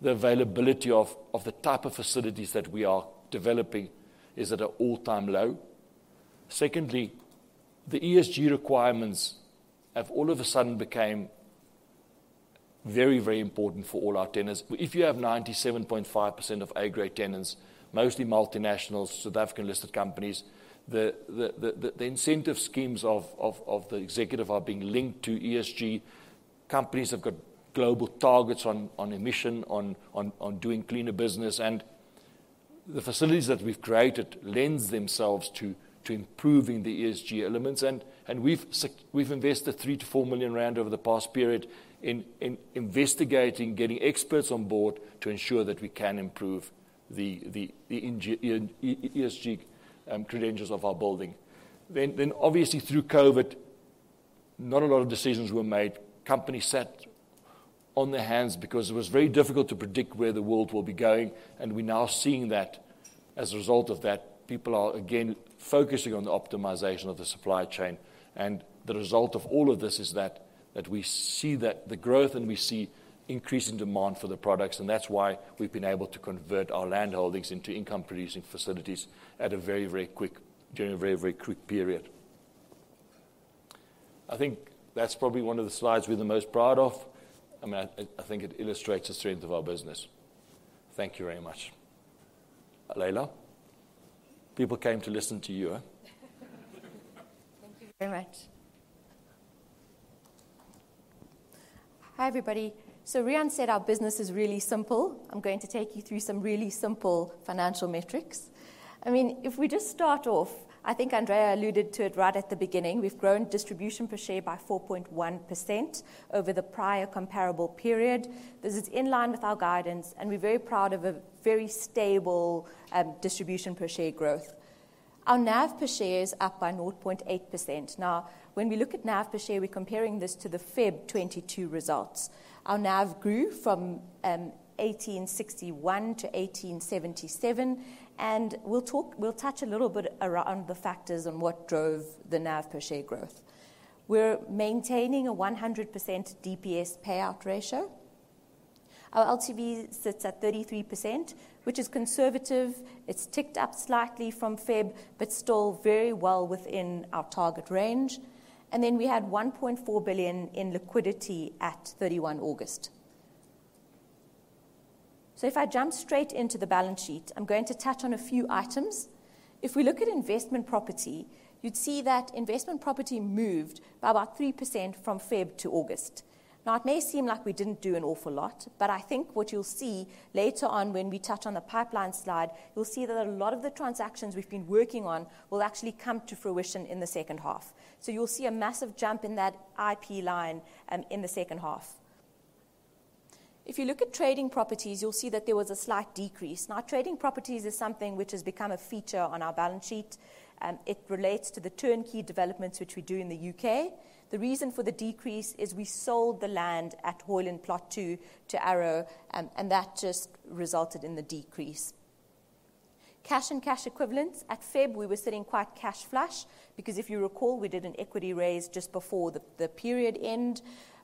the availability of the type of facilities that we are developing is at an all-time low. Secondly, the ESG requirements have all of a sudden became very, very important for all our tenants. If you have 97.5% of A-grade tenants, mostly multinationals, South African-listed companies, the incentive schemes of the executive are being linked to ESG. Companies have got global targets on emission, on doing cleaner business. The facilities that we've created lends themselves to improving the ESG elements. We've invested 3 million to 4 million rand over the past period in investigating, getting experts on board to ensure that we can improve the ESG credentials of our building. Obviously through COVID, not a lot of decisions were made. Companies sat on their hands because it was very difficult to predict where the world will be going, and we're now seeing that as a result of that, people are again focusing on the optimization of the supply chain. The result of all of this is that we see the growth and we see increasing demand for the products, and that's why we've been able to convert our land holdings into income-producing facilities during a very quick period. I think that's probably one of the slides we're the most proud of. I mean, I think it illustrates the strength of our business. Thank you very much. Leila. People came to listen to you, huh? Thank you very much. Hi, everybody. Riaan said our business is really simple. I'm going to take you through some really simple financial metrics. I mean, if we just start off, I think Andrea alluded to it right at the beginning. We've grown distribution per share by 4.1% over the prior comparable period. This is in line with our guidance, and we're very proud of a very stable distribution per share growth. Our NAV per share is up by 0.8%. Now, when we look at NAV per share, we're comparing this to the Feb 2022 results. Our NAV per share grew from 1,861 to 1,877, and we'll touch a little bit around the factors on what drove the NAV per share growth. We're maintaining a 100% DPS payout ratio. Our LTV sits at 33%, which is conservative. It's ticked up slightly from February, but still very well within our target range. We had 1.4 billion in liquidity at 31 August. If I jump straight into the balance sheet, I'm going to touch on a few items. If we look at investment property, you'd see that investment property moved by about 3% from February to August. Now, it may seem like we didn't do an awful lot, but I think what you'll see later on when we touch on the pipeline slide, you'll see that a lot of the transactions we've been working on will actually come to fruition in the second half. You'll see a massive jump in that IP line in the second half. If you look at trading properties, you'll see that there was a slight decrease. Now, trading properties is something which has become a feature on our balance sheet. It relates to the turnkey developments which we do in the U.K. The reason for the decrease is we sold the land at Hoyland Plot 2 to Arrow, and that just resulted in the decrease. Cash and cash equivalents. At Feb, we were sitting quite cash flush because if you recall, we did an equity raise just before the period end.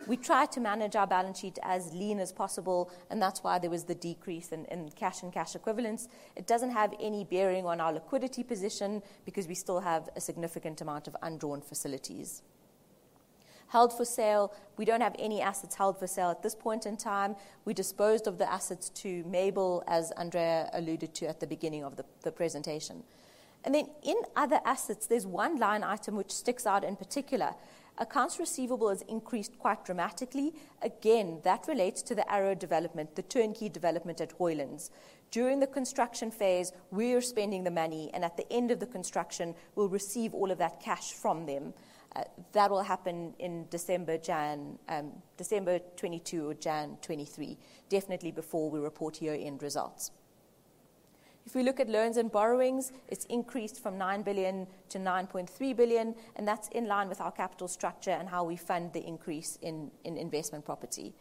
We tried to manage our balance sheet as lean as possible, and that's why there was the decrease in cash and cash equivalents. It doesn't have any bearing on our liquidity position because we still have a significant amount of undrawn facilities. Held for sale. We don't have any assets held for sale at this point in time. We disposed of the assets to Mabel, as Andrea alluded to at the beginning of the presentation. Then in other assets, there's one line item which sticks out in particular. Accounts receivable has increased quite dramatically. Again, that relates to the Arrow development, the turnkey development at Hoyland. During the construction phase, we are spending the money, and at the end of the construction, we'll receive all of that cash from them. That will happen in December 2022 or January 2023, definitely before we report year-end results. If we look at loans and borrowings, it's increased from 9 billion to 9.3 billion, and that's in line with our capital structure and how we fund the increase in investment property.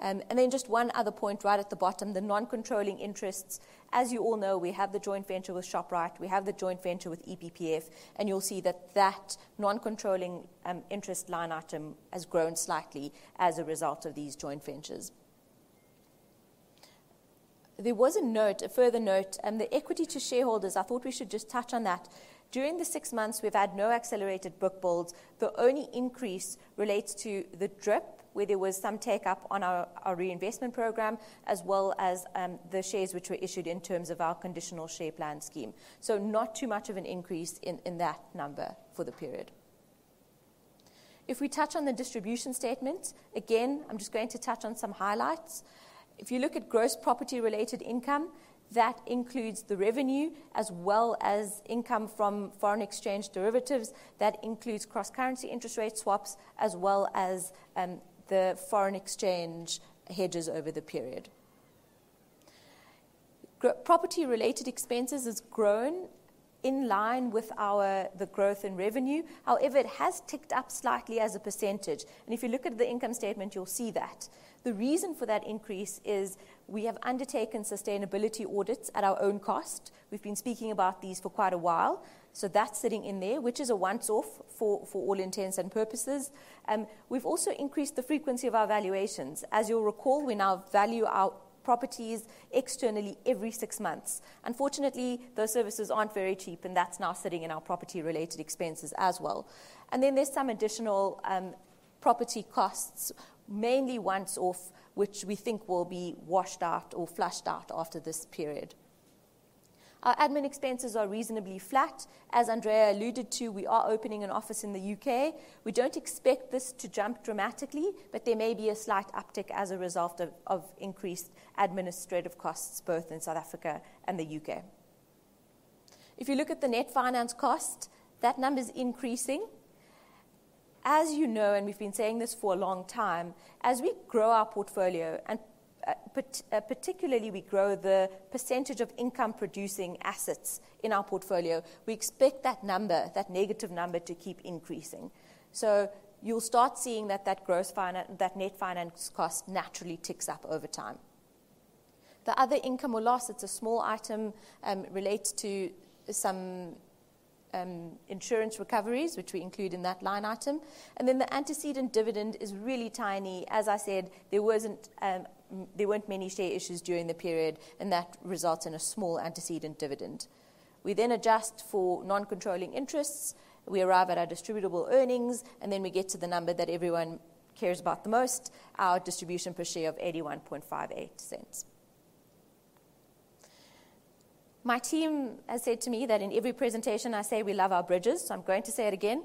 Then just one other point right at the bottom, the non-controlling interests. As you all know, we have the joint venture with Shoprite, we have the joint venture with EPPF, and you'll see that non-controlling interest line item has grown slightly as a result of these joint ventures. There was a note, a further note, the equity to shareholders. I thought we should just touch on that. During the six months, we've had no accelerated bookbuilds. The only increase relates to the DRIP, where there was some take up on our reinvestment program, as well as the shares which were issued in terms of our conditional share plan scheme. Not too much of an increase in that number for the period. If we touch on the distribution statement, again, I'm just going to touch on some highlights. If you look at gross property-related income, that includes the revenue as well as income from foreign exchange derivatives. That includes cross-currency interest rate swaps, as well as the foreign exchange hedges over the period. Property-related expenses has grown in line with the growth in revenue. However, it has ticked up slightly as a percentage. If you look at the income statement, you'll see that. The reason for that increase is we have undertaken sustainability audits at our own cost. We've been speaking about these for quite a while, so that's sitting in there, which is a once off for all intents and purposes. We've also increased the frequency of our valuations. As you'll recall, we now value our properties externally every six months. Unfortunately, those services aren't very cheap, and that's now sitting in our property-related expenses as well. Then there's some additional property costs, mainly once-off, which we think will be washed out or flushed out after this period. Our admin expenses are reasonably flat. As Andrea alluded to, we are opening an office in the U.K. We don't expect this to jump dramatically, but there may be a slight uptick as a result of increased administrative costs both in South Africa and the U.K. If you look at the net finance cost, that number is increasing. As you know, and we've been saying this for a long time, as we grow our portfolio and particularly we grow the percentage of income producing assets in our portfolio, we expect that number, that negative number, to keep increasing. You'll start seeing that net finance cost naturally ticks up over time. The other income or loss, it's a small item, relates to some insurance recoveries, which we include in that line item. The antecedent dividend is really tiny. As I said, there weren't many share issues during the period, and that results in a small antecedent dividend. We then adjust for non-controlling interests. We arrive at our distributable earnings, and then we get to the number that everyone cares about the most, our distribution per share of 0.8158. My team has said to me that in every presentation I say we love our bridges, so I'm going to say it again.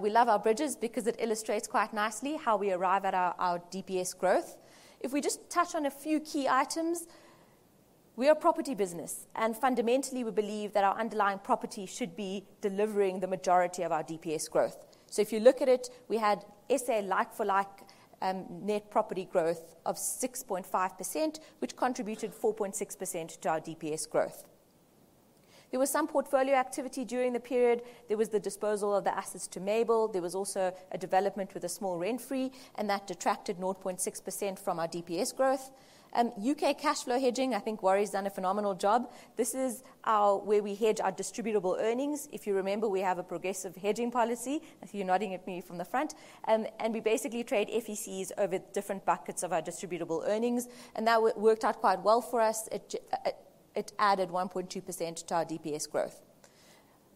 We love our bridges because it illustrates quite nicely how we arrive at our DPS growth. If we just touch on a few key items, we are a property business, and fundamentally we believe that our underlying property should be delivering the majority of our DPS growth. If you look at it, we had SA like-for-like net property growth of 6.5%, which contributed 4.6% to our DPS growth. There was some portfolio activity during the period. There was the disposal of the assets to Mabel. There was also a development with a small rent-free, and that detracted 0.6% from our DPS growth. U.K. cash flow hedging, I think Warrie's done a phenomenal job. This is where we hedge our distributable earnings. If you remember, we have a progressive hedging policy. Matthew, you're nodding at me from the front. We basically trade FECs over different buckets of our distributable earnings, and that worked out quite well for us. It added 1.2% to our DPS growth.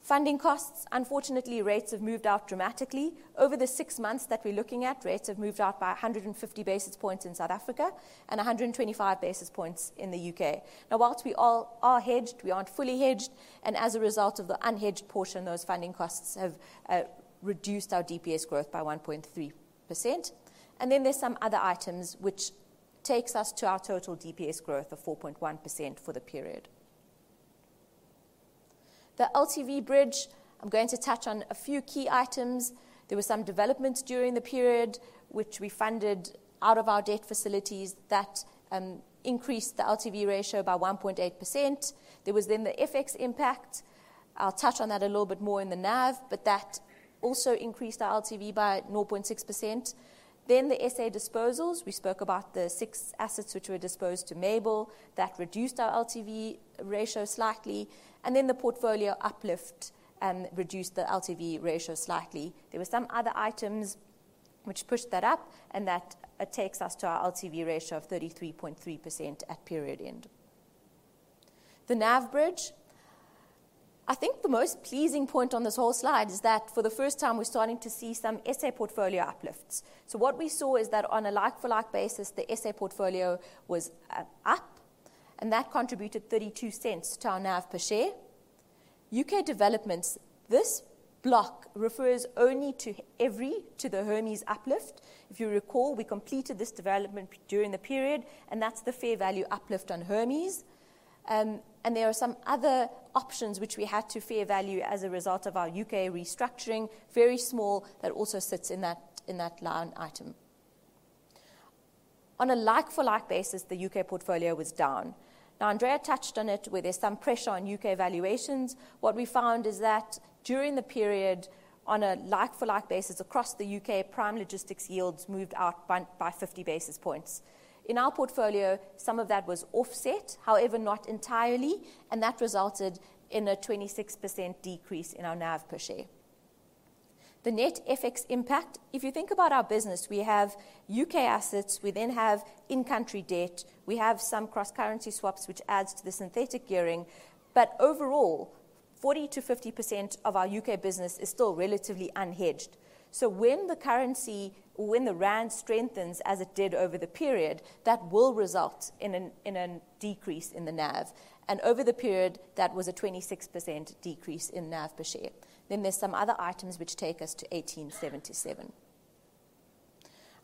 Funding costs. Unfortunately, rates have moved out dramatically. Over the six months that we're looking at, rates have moved out by 150 basis points in South Africa and 125 basis points in the U.K.. Now, while we all are hedged, we aren't fully hedged, and as a result of the unhedged portion, those funding costs have reduced our DPS growth by 1.3%. There's some other items which takes us to our total DPS growth of 4.1% for the period. The LTV bridge, I'm going to touch on a few key items. There were some developments during the period which we funded out of our debt facilities that increased the LTV ratio by 1.8%. There was the FX impact. I'll touch on that a little bit more in the NAV, but that also increased our LTV by 0.6%. The SA disposals. We spoke about the 6 assets which were disposed to Mabel. That reduced our LTV ratio slightly. The portfolio uplift reduced the LTV ratio slightly. There were some other items which pushed that up, and that takes us to our LTV ratio of 33.3% at period end. The NAV bridge. I think the most pleasing point on this whole slide is that for the first time, we're starting to see some SA portfolio uplifts. What we saw is that on a like-for-like basis, the SA portfolio was up, and that contributed 0.32 to our NAV per share. U.K. developments. This block refers only to the Hermes uplift. If you recall, we completed this development during the period, and that's the fair value uplift on Hermes. And there are some other options which we had to fair value as a result of our U.K. restructuring, very small, that also sits in that line item. On a like for like basis, the U.K. portfolio was down. Now Andrea touched on it, where there's some pressure on U.K. valuations. What we found is that during the period, on a like for like basis across the U.K., prime logistics yields moved out by 50 basis points. In our portfolio, some of that was offset, however, not entirely, and that resulted in a 26% decrease in our NAV per share. The net FX impact, if you think about our business, we have U.K. assets, we then have in-country debt, we have some cross-currency swaps, which adds to the synthetic gearing. Overall, 40%-50% of our U.K. business is still relatively unhedged. When the currency, when the rand strengthens, as it did over the period, that will result in an decrease in the NAV. Over the period, that was a 26% decrease in NAV per share. There's some other items which take us to 1,877.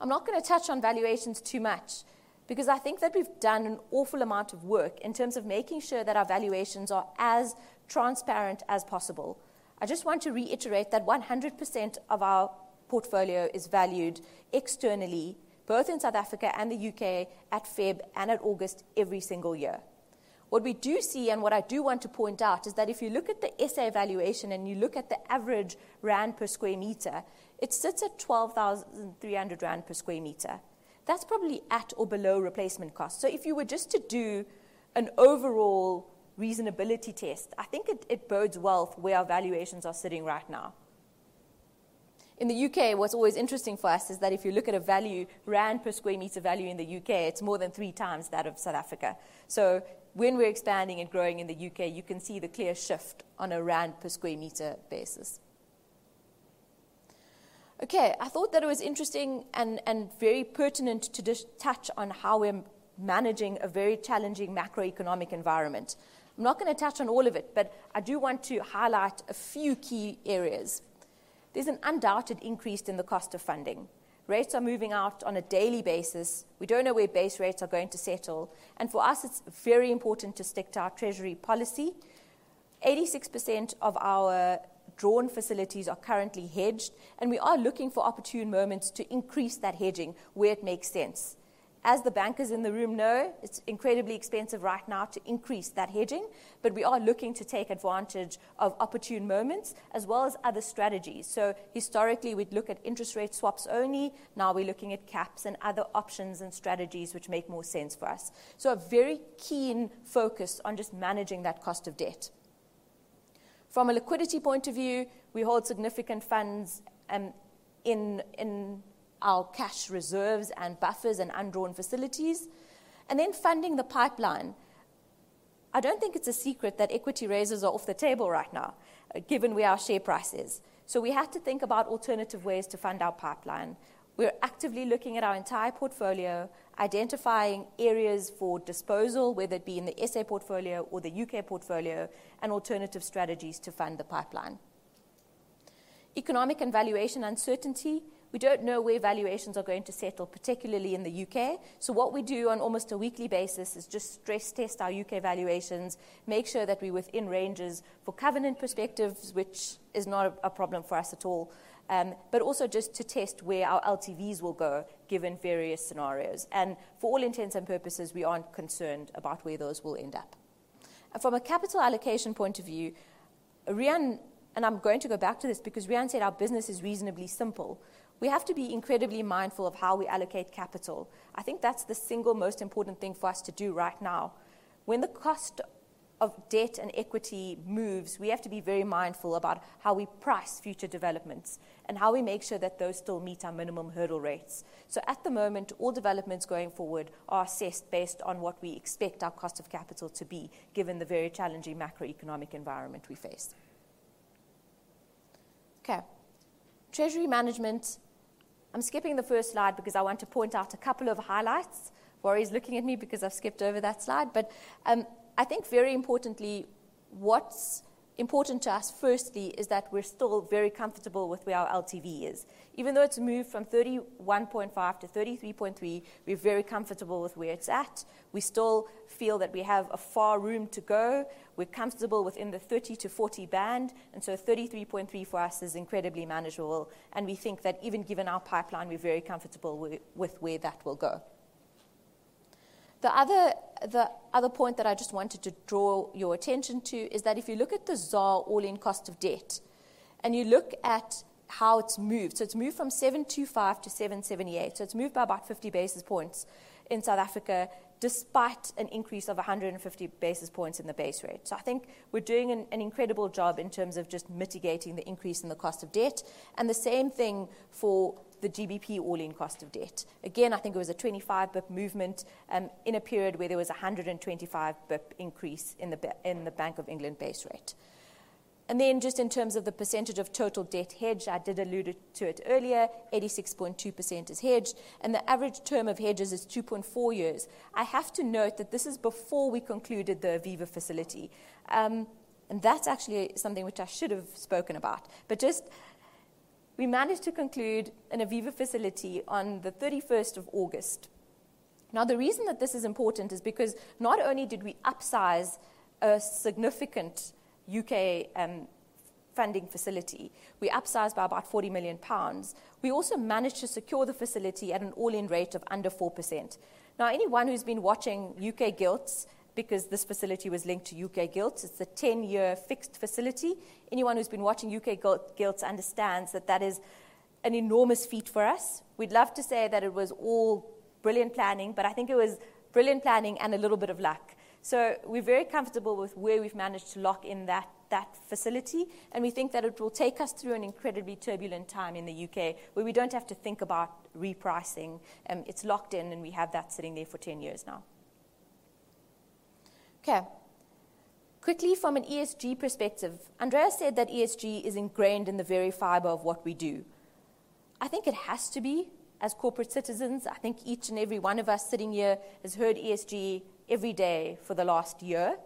I'm not gonna touch on valuations too much because I think that we've done an awful amount of work in terms of making sure that our valuations are as transparent as possible. I just want to reiterate that 100% of our portfolio is valued externally, both in South Africa and the U.K. at February and August every single year. What we do see, and what I do want to point out, is that if you look at the SA valuation and you look at the average rand per sq m, it sits at 12,300 rand per sq m. That's probably at or below replacement cost. If you were just to do an overall reasonability test, I think it bodes well where our valuations are sitting right now. In the U.K., what's always interesting for us is that if you look at a value, rand per sq m value in the U.K., it's more than 3x that of South Africa. When we're expanding and growing in the U.K., you can see the clear shift on a rand per sq m basis. Okay, I thought that it was interesting and very pertinent to just touch on how we're managing a very challenging macroeconomic environment. I'm not gonna touch on all of it, but I do want to highlight a few key areas. There's an undoubted increase in the cost of funding. Rates are moving out on a daily basis. We don't know where base rates are going to settle, and for us, it's very important to stick to our treasury policy. 86% of our drawn facilities are currently hedged, and we are looking for opportune moments to increase that hedging where it makes sense. As the bankers in the room know, it's incredibly expensive right now to increase that hedging, but we are looking to take advantage of opportune moments as well as other strategies. Historically, we'd look at interest rate swaps only. Now we're looking at caps and other options and strategies which make more sense for us. A very keen focus on just managing that cost of debt. From a liquidity point of view, we hold significant funds in our cash reserves and buffers and undrawn facilities, and then funding the pipeline. I don't think it's a secret that equity raises are off the table right now, given where our share price is. We have to think about alternative ways to fund our pipeline. We're actively looking at our entire portfolio, identifying areas for disposal, whether it be in the SA portfolio or the U.K. portfolio, and alternative strategies to fund the pipeline. Economic and valuation uncertainty, we don't know where valuations are going to settle, particularly in the U.K. What we do on almost a weekly basis is just stress test our U.K. valuations, make sure that we're within ranges for covenant perspectives, which is not a problem for us at all, but also just to test where our LTVs will go given various scenarios. For all intents and purposes, we aren't concerned about where those will end up. From a capital allocation point of view, Riaan, and I'm going to go back to this because Riaan said our business is reasonably simple. We have to be incredibly mindful of how we allocate capital. I think that's the single most important thing for us to do right now. When the cost of debt and equity moves, we have to be very mindful about how we price future developments and how we make sure that those still meet our minimum hurdle rates. At the moment, all developments going forward are assessed based on what we expect our cost of capital to be, given the very challenging macroeconomic environment we face. Okay, treasury management. I'm skipping the first slide because I want to point out a couple of highlights. Laurie's looking at me because I've skipped over that slide. I think very importantly, what's important to us firstly is that we're still very comfortable with where our LTV is. Even though it's moved from 31.5 to 33.3, we're very comfortable with where it's at. We still feel that we have a fair room to go. We're comfortable within the 30%-40% band, and 33.3% for us is incredibly manageable, and we think that even given our pipeline, we're very comfortable with where that will go. The other point that I just wanted to draw your attention to is that if you look at the ZAR all-in cost of debt, and you look at how it's moved. It's moved from 7.25%-7.78%. It's moved by about 50 basis points in South Africa, despite an increase of 150 basis points in the base rate. I think we're doing an incredible job in terms of just mitigating the increase in the cost of debt, and the same thing for the GBP all-in cost of debt. Again, I think it was a 25 pip movement, in a period where there was a 125 pip increase in the Bank of England base rate. Then just in terms of the percentage of total debt hedged, I did allude to it earlier, 86.2% is hedged, and the average term of hedges is 2.4 years. I have to note that this is before we concluded the Aviva facility. That's actually something which I should have spoken about. Just, we managed to conclude an Aviva facility on the 31st of August. Now, the reason that this is important is because not only did we upsize a significant U.K. funding facility, we upsized by about 40 million pounds. We also managed to secure the facility at an all-in rate of under 4%. Now, anyone who's been watching U.K. Gilts, because this facility was linked to U.K. Gilts, it's a 10-year fixed facility. Anyone who's been watching U.K. Gilts understands that that is an enormous feat for us. We'd love to say that it was all brilliant planning, but I think it was brilliant planning and a little bit of luck. We're very comfortable with where we've managed to lock in that facility, and we think that it will take us through an incredibly turbulent time in the U.K., where we don't have to think about repricing. It's locked in, and we have that sitting there for 10 years now. Okay. Quickly from an ESG perspective, Andrea said that ESG is ingrained in the very fiber of what we do. I think it has to be as corporate citizens. I think each and every one of us sitting here has heard ESG every day for the last year.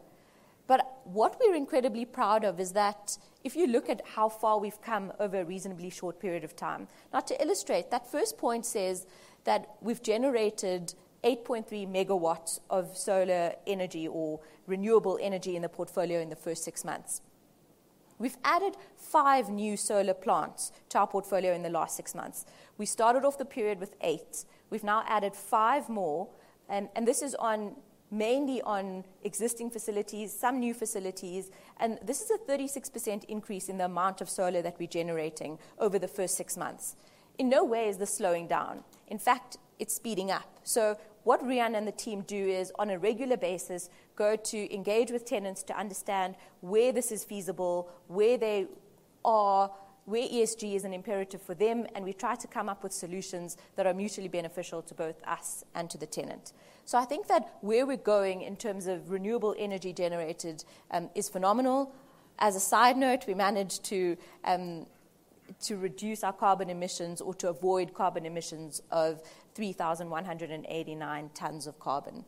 What we're incredibly proud of is that if you look at how far we've come over a reasonably short period of time. Now, to illustrate, that first point says that we've generated 8.3 MW of solar energy or renewable energy in the portfolio in the first six months. We've added 5 new solar plants to our portfolio in the last six months. We started off the period with 8 MW. We've now added 5 more, and this is mainly on existing facilities, some new facilities. This is a 36% increase in the amount of solar that we're generating over the first six months. In no way is this slowing down. In fact, it's speeding up. What Riaan and the team do is, on a regular basis, go to engage with tenants to understand where this is feasible, where they are, where ESG is an imperative for them, and we try to come up with solutions that are mutually beneficial to both us and to the tenant. I think that where we're going in terms of renewable energy generated is phenomenal. As a side note, we managed to reduce our carbon emissions or to avoid carbon emissions of 3,189 tons of carbon.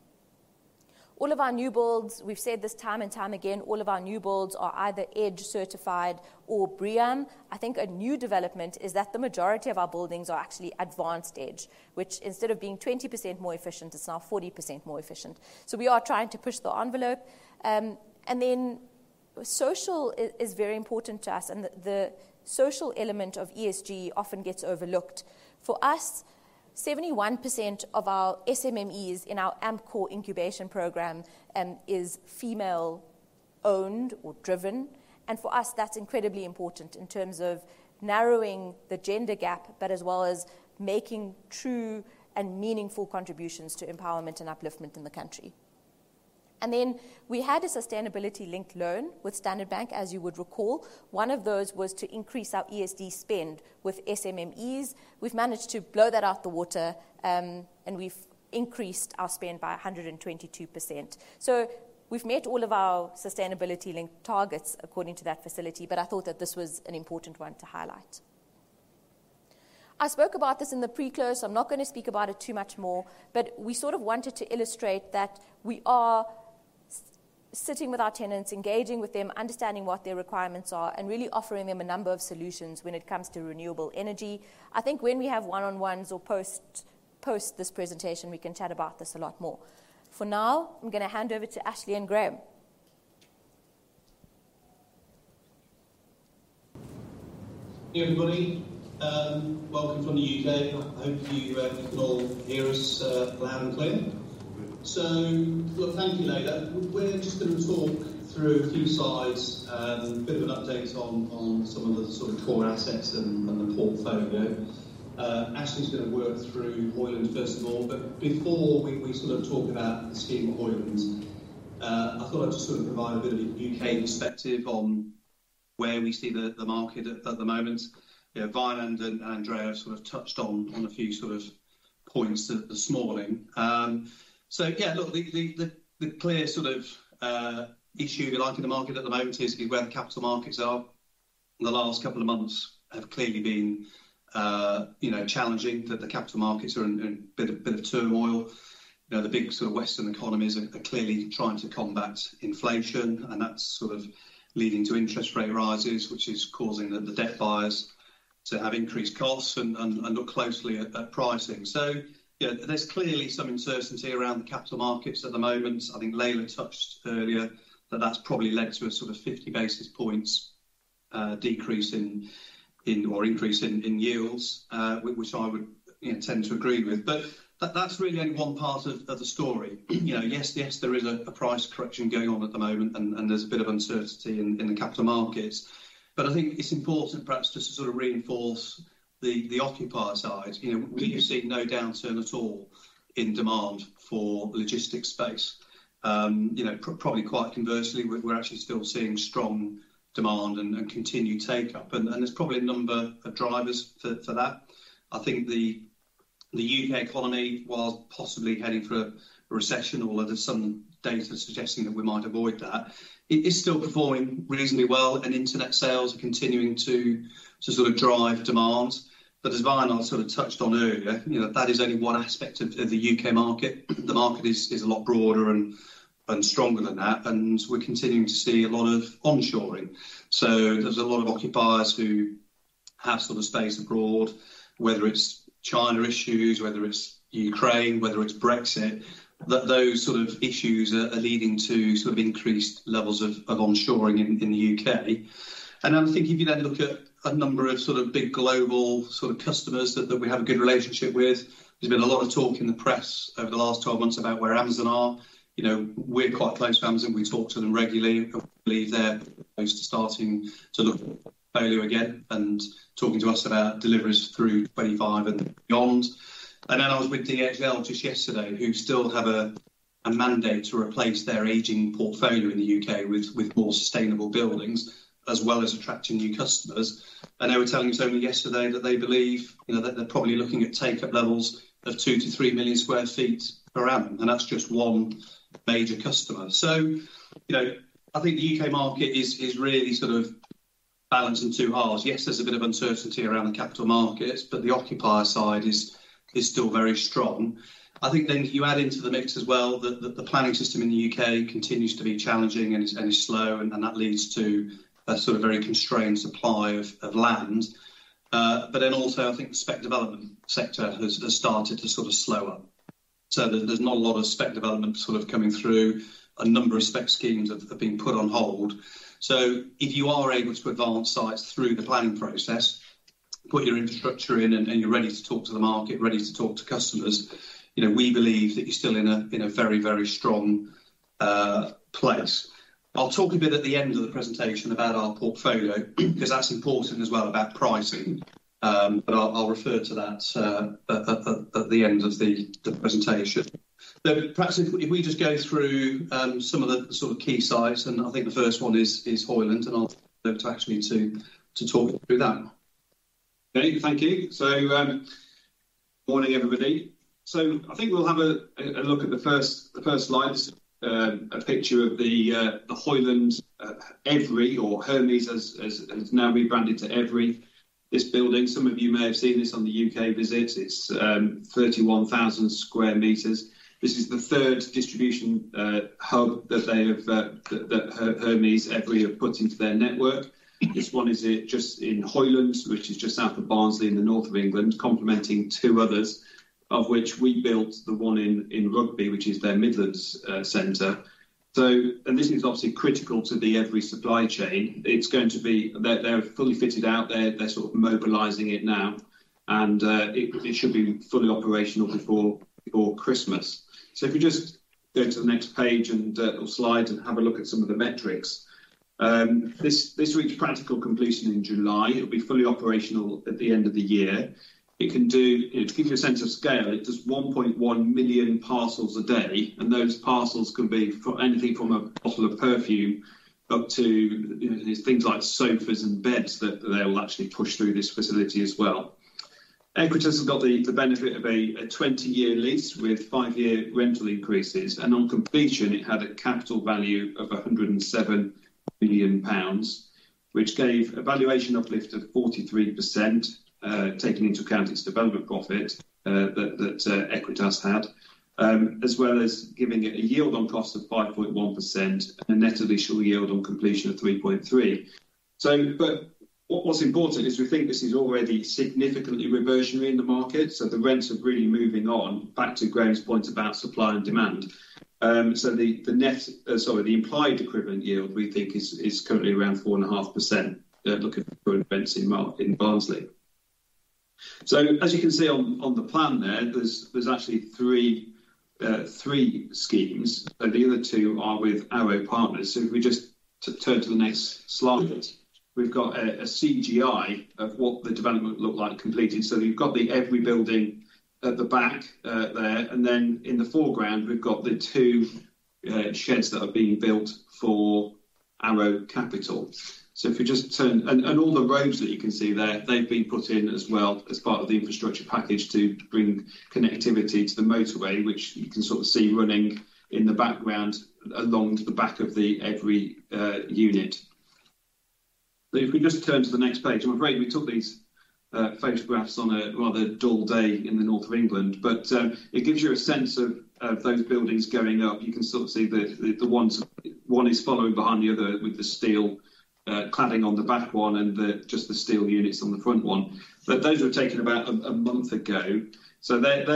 All of our new builds, we've said this time and time again, all of our new builds are either EDGE certified or BREEAM. I think a new development is that the majority of our buildings are actually advanced EDGE, which instead of being 20% more efficient, it's now 40% more efficient. We are trying to push the envelope. Social is very important to us, and the social element of ESG often gets overlooked. For us, 71% of our SMMEs in our AmpCore incubation program is female owned or driven. For us, that's incredibly important in terms of narrowing the gender gap, but as well as making true and meaningful contributions to empowerment and upliftment in the country. We had a sustainability-linked loan with Standard Bank, as you would recall. One of those was to increase our ESD spend with SMMEs. We've managed to blow that out of the water, and we've increased our spend by 122%. We've met all of our sustainability link targets according to that facility, but I thought that this was an important one to highlight. I spoke about this in the pre-close, so I'm not gonna speak about it too much more, but we sort of wanted to illustrate that we are sitting with our tenants, engaging with them, understanding what their requirements are, and really offering them a number of solutions when it comes to renewable energy. I think when we have one-on-ones or post this presentation, we can chat about this a lot more. For now, I'm gonna hand over to Ashley and Graham. Hey, everybody, welcome from the U.K. I hope you can all hear us loud and clear. Look, thank you, Laila. We're just gonna talk through a few slides, a bit of an update on some of the sort of core assets and the portfolio. Ashley's gonna work through Hoyland first of all, but before we sort of talk about the scheme at Hoyland, I thought I'd just sort of provide a bit of U.K. perspective on where we see the market at the moment. Wynand and Andrea sort of touched on a few sort of points this morning. Look, the clear sort of issue, if you like, in the market at the moment is where the capital markets are. The last couple of months have clearly been, you know, challenging that the capital markets are in a bit of turmoil. You know, the big sort of Western economies are clearly trying to combat inflation, and that's sort of leading to interest rate rises, which is causing the debt buyers to have increased costs and look closely at pricing. You know, there's clearly some uncertainty around the capital markets at the moment. I think Laila touched earlier that that's probably led to a sort of 50 basis points decrease or increase in yields, which I would, you know, tend to agree with. That's really only one part of the story. You know, yes, there is a price correction going on at the moment and there's a bit of uncertainty in the capital markets. I think it's important perhaps just to sort of reinforce the occupier side. You know, we have seen no downturn at all in demand for logistics space. Probably quite conversely, we're actually still seeing strong demand and continued take-up, and there's probably a number of drivers for that. I think the U.K. economy, while possibly heading for a recession, although there's some data suggesting that we might avoid that, it is still performing reasonably well and internet sales are continuing to sort of drive demand. As Wynand sort of touched on earlier, you know, that is only one aspect of the U.K. market. The market is a lot broader and stronger than that, and we're continuing to see a lot of onshoring. There's a lot of occupiers who have sort of space abroad, whether it's China issues, whether it's Ukraine, whether it's Brexit, that those sort of issues are leading to sort of increased levels of onshoring in the U.K. I would think if you then look at a number of sort of big global sort of customers that we have a good relationship with, there's been a lot of talk in the press over the last 12 months about where Amazon are. You know, we're quite close to Amazon. We talk to them regularly. I believe they're close to starting to look at value again and talking to us about deliveries through 2025 and beyond. Then I was with DHL just yesterday, who still have a mandate to replace their aging portfolio in the U.K. with more sustainable buildings as well as attracting new customers. They were telling us only yesterday that they believe, you know, that they're probably looking at take-up levels of 2 million to 3 million sq ft per annum, and that's just one major customer. You know, I think the U.K. market is really sort of balanced in two halves. Yes, there's a bit of uncertainty around the capital markets, but the occupier side is still very strong. I think then if you add into the mix as well that the planning system in the U.K. continues to be challenging and is slow, and that leads to a sort of very constrained supply of land. I think the spec development sector has started to sort of slow up so that there's not a lot of spec development sort of coming through. A number of spec schemes have been put on hold. If you are able to advance sites through the planning process, put your infrastructure in, and you're ready to talk to the market, ready to talk to customers, you know, we believe that you're still in a very strong place. I'll talk a bit at the end of the presentation about our portfolio because that's important as well about pricing. I'll refer to that at the end of the presentation. Perhaps if we just go through some of the sort of key sites, and I think the first one is Hoyland, and I'll hand over to Ashley to talk through that. Okay, thank you. Morning, everybody. I think we'll have a look at the first slide. A picture of the Hoyland Evri or Hermes, as it has now rebranded to Evri. This building, some of you may have seen this on the U.K. visit. It's 31,000 sq m. This is the third distribution hub that they have, that Hermes, Evri have put into their network. This one is just in Hoyland, which is just South of Barnsley in the North of England, complementing two others, of which we built the one in Rugby, which is their Midlands center. This is obviously critical to the Evri supply chain. It's going to be. They're fully fitted out there. They're sort of mobilizing it now and it should be fully operational before Christmas. If you just go to the next page or slide and have a look at some of the metrics. This reached practical completion in July. It'll be fully operational at the end of the year. To give you a sense of scale, it does 1.1 million parcels a day, and those parcels can be anything from a bottle of perfume up to, you know, these things like sofas and beds that they'll actually push through this facility as well. Equites has got the benefit of a 20-year lease with 5-year rental increases, and on completion it had a capital value of 107 million pounds, which gave a valuation uplift of 43%, taking into account its development profit that Equites had, as well as giving it a yield on cost of 5.1% and a net initial yield on completion of 3.3%. What was important is we think this is already significantly reversionary in the market, so the rents are really moving on, back to Graham's point about supply and demand. The implied equivalent yield we think is currently around 4.5%, looking at current rents in Barnsley. As you can see on the plan there's actually three schemes. The other two are with Arrow Capital Partners. If we just turn to the next slide. We've got a CGI of what the development look like completed. You've got the Evri building at the back there, and then in the foreground we've got the two sheds that are being built for Arrow Capital Partners. If you just turn. All the roads that you can see there, they've been put in as well as part of the infrastructure package to bring connectivity to the motorway, which you can sort of see running in the background along to the back of the Evri unit. If we just turn to the next page. I'm afraid we took these photographs on a rather dull day in the north of England, but it gives you a sense of those buildings going up. You can sort of see the one is following behind the other with the steel cladding on the back one and just the steel units on the front one. Those were taken about a month ago, so that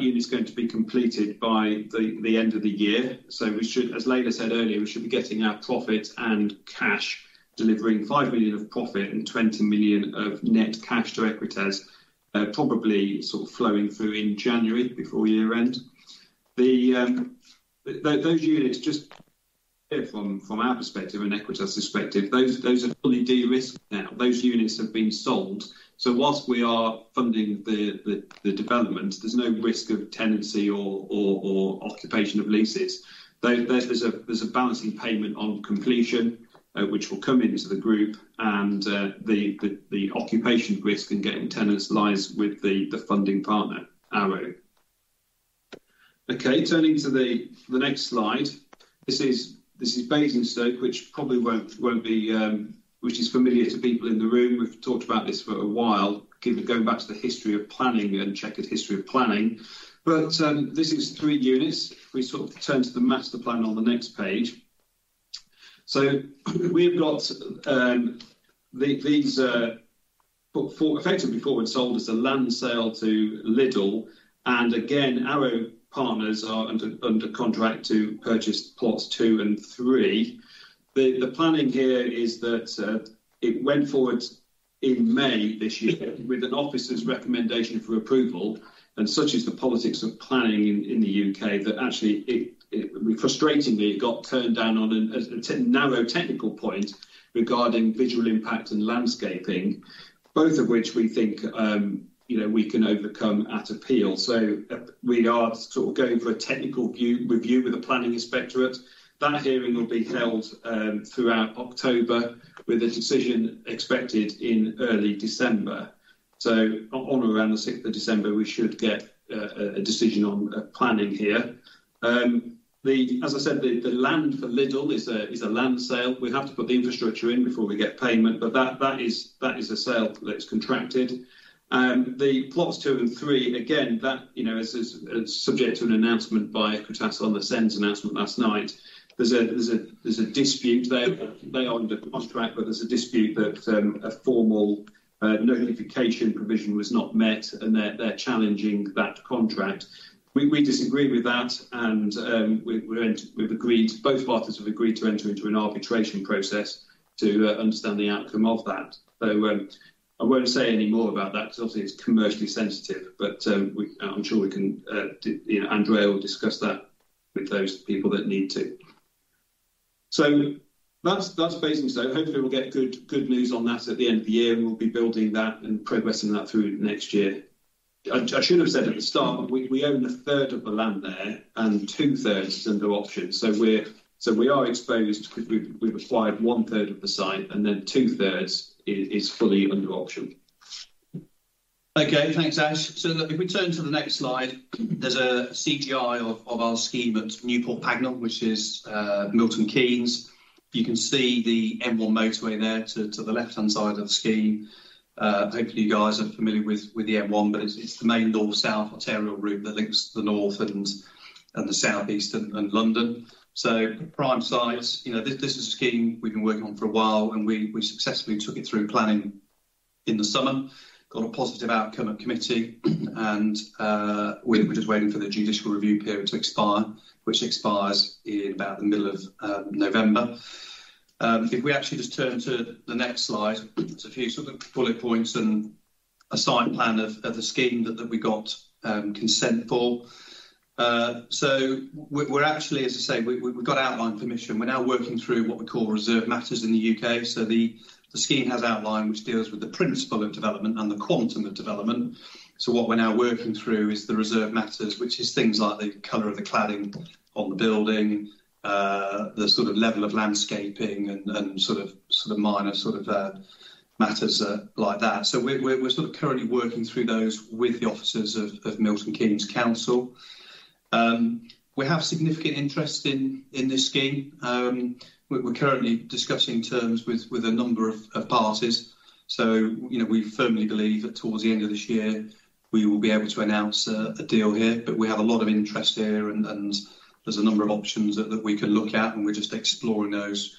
unit's going to be completed by the end of the year. We should, as Laila said earlier, be getting our profit and cash delivering 5 million of profit and 20 million of net cash to Equites, probably sort of flowing through in January before year-end. Those units just from our perspective and Equites perspective are fully de-risked now. Those units have been sold, so whilst we are funding the development, there's no risk of tenancy or occupation of leases. There's a balancing payment on completion, which will come into the group and the occupation risk and getting tenants lies with the funding partner, Arrow. Okay, turning to the next slide. This is Basingstoke, which probably won't be, which is familiar to people in the room. We've talked about this for a while, going back to the history of planning and checkered history of planning. This is three units. If we sort of turn to the master plan on the next page. We've got these effectively forward sold as a land sale to Lidl. Again, Arrow Partners are under contract to purchase Plots 2 and 3. The planning here is that it went forward in May this year with an officer's recommendation for approval, and such is the politics of planning in the U.K. that actually it frustratingly got turned down on a narrow technical point regarding visual impact and landscaping, both of which we think we can overcome at appeal. We are sort of going for a technical review with the Planning Inspectorate. That hearing will be held throughout October with a decision expected in early December. On or around the sixth of December, we should get a decision on planning here. As I said, the land for Lidl is a land sale. We have to put the infrastructure in before we get payment, but that is a sale that's contracted. The Plots 2 and 3, again, that, you know, is subject to an announcement by Equites on the SENS announcement last night. There's a dispute. They are under contract, but there's a dispute that a formal nullification provision was not met, and they're challenging that contract. We disagree with that and we've agreed, both parties have agreed to enter into an arbitration process to understand the outcome of that. I won't say any more about that because obviously it's commercially sensitive, but I'm sure we can, you know, Andrea will discuss that with those people that need to. So that's Basingstoke. Hopefully we'll get good news on that at the end of the year and we'll be building that and progressing that through next year. I should have said at the start, we own 1/3 of the land there and 2/3 is under option. We are exposed because we've acquired 1/3 of the site and then 2/3 is fully under option. Okay, thanks, Ash. If we turn to the next slide, there's a CGI of our scheme at Newport Pagnell, which is Milton Keynes. You can see the M1 motorway there to the left-hand side of the scheme. Hopefully, you guys are familiar with the M1, but it's the main North-South arterial route that links the North and the Southeast and London. Prime site. You know, this is a scheme we've been working on for a while and we successfully took it through planning in the summer, got a positive outcome at committee, and we're just waiting for the judicial review period to expire, which expires in about the middle of November. If we actually just turn to the next slide, there's a few sort of bullet points and a site plan of the scheme that we got consent for. So we're actually, as I say, we got outline permission. We're now working through what we call reserved matters in the U.K. The scheme has outline which deals with the principle of development and the quantum of development. What we're now working through is the reserved matters, which is things like the color of the cladding on the building, the sort of level of landscaping and sort of minor matters like that. We're currently working through those with the officers of Milton Keynes City Council. We have significant interest in this scheme. We're currently discussing terms with a number of parties. You know, we firmly believe that towards the end of this year we will be able to announce a deal here. We have a lot of interest here and there's a number of options that we can look at and we're just exploring those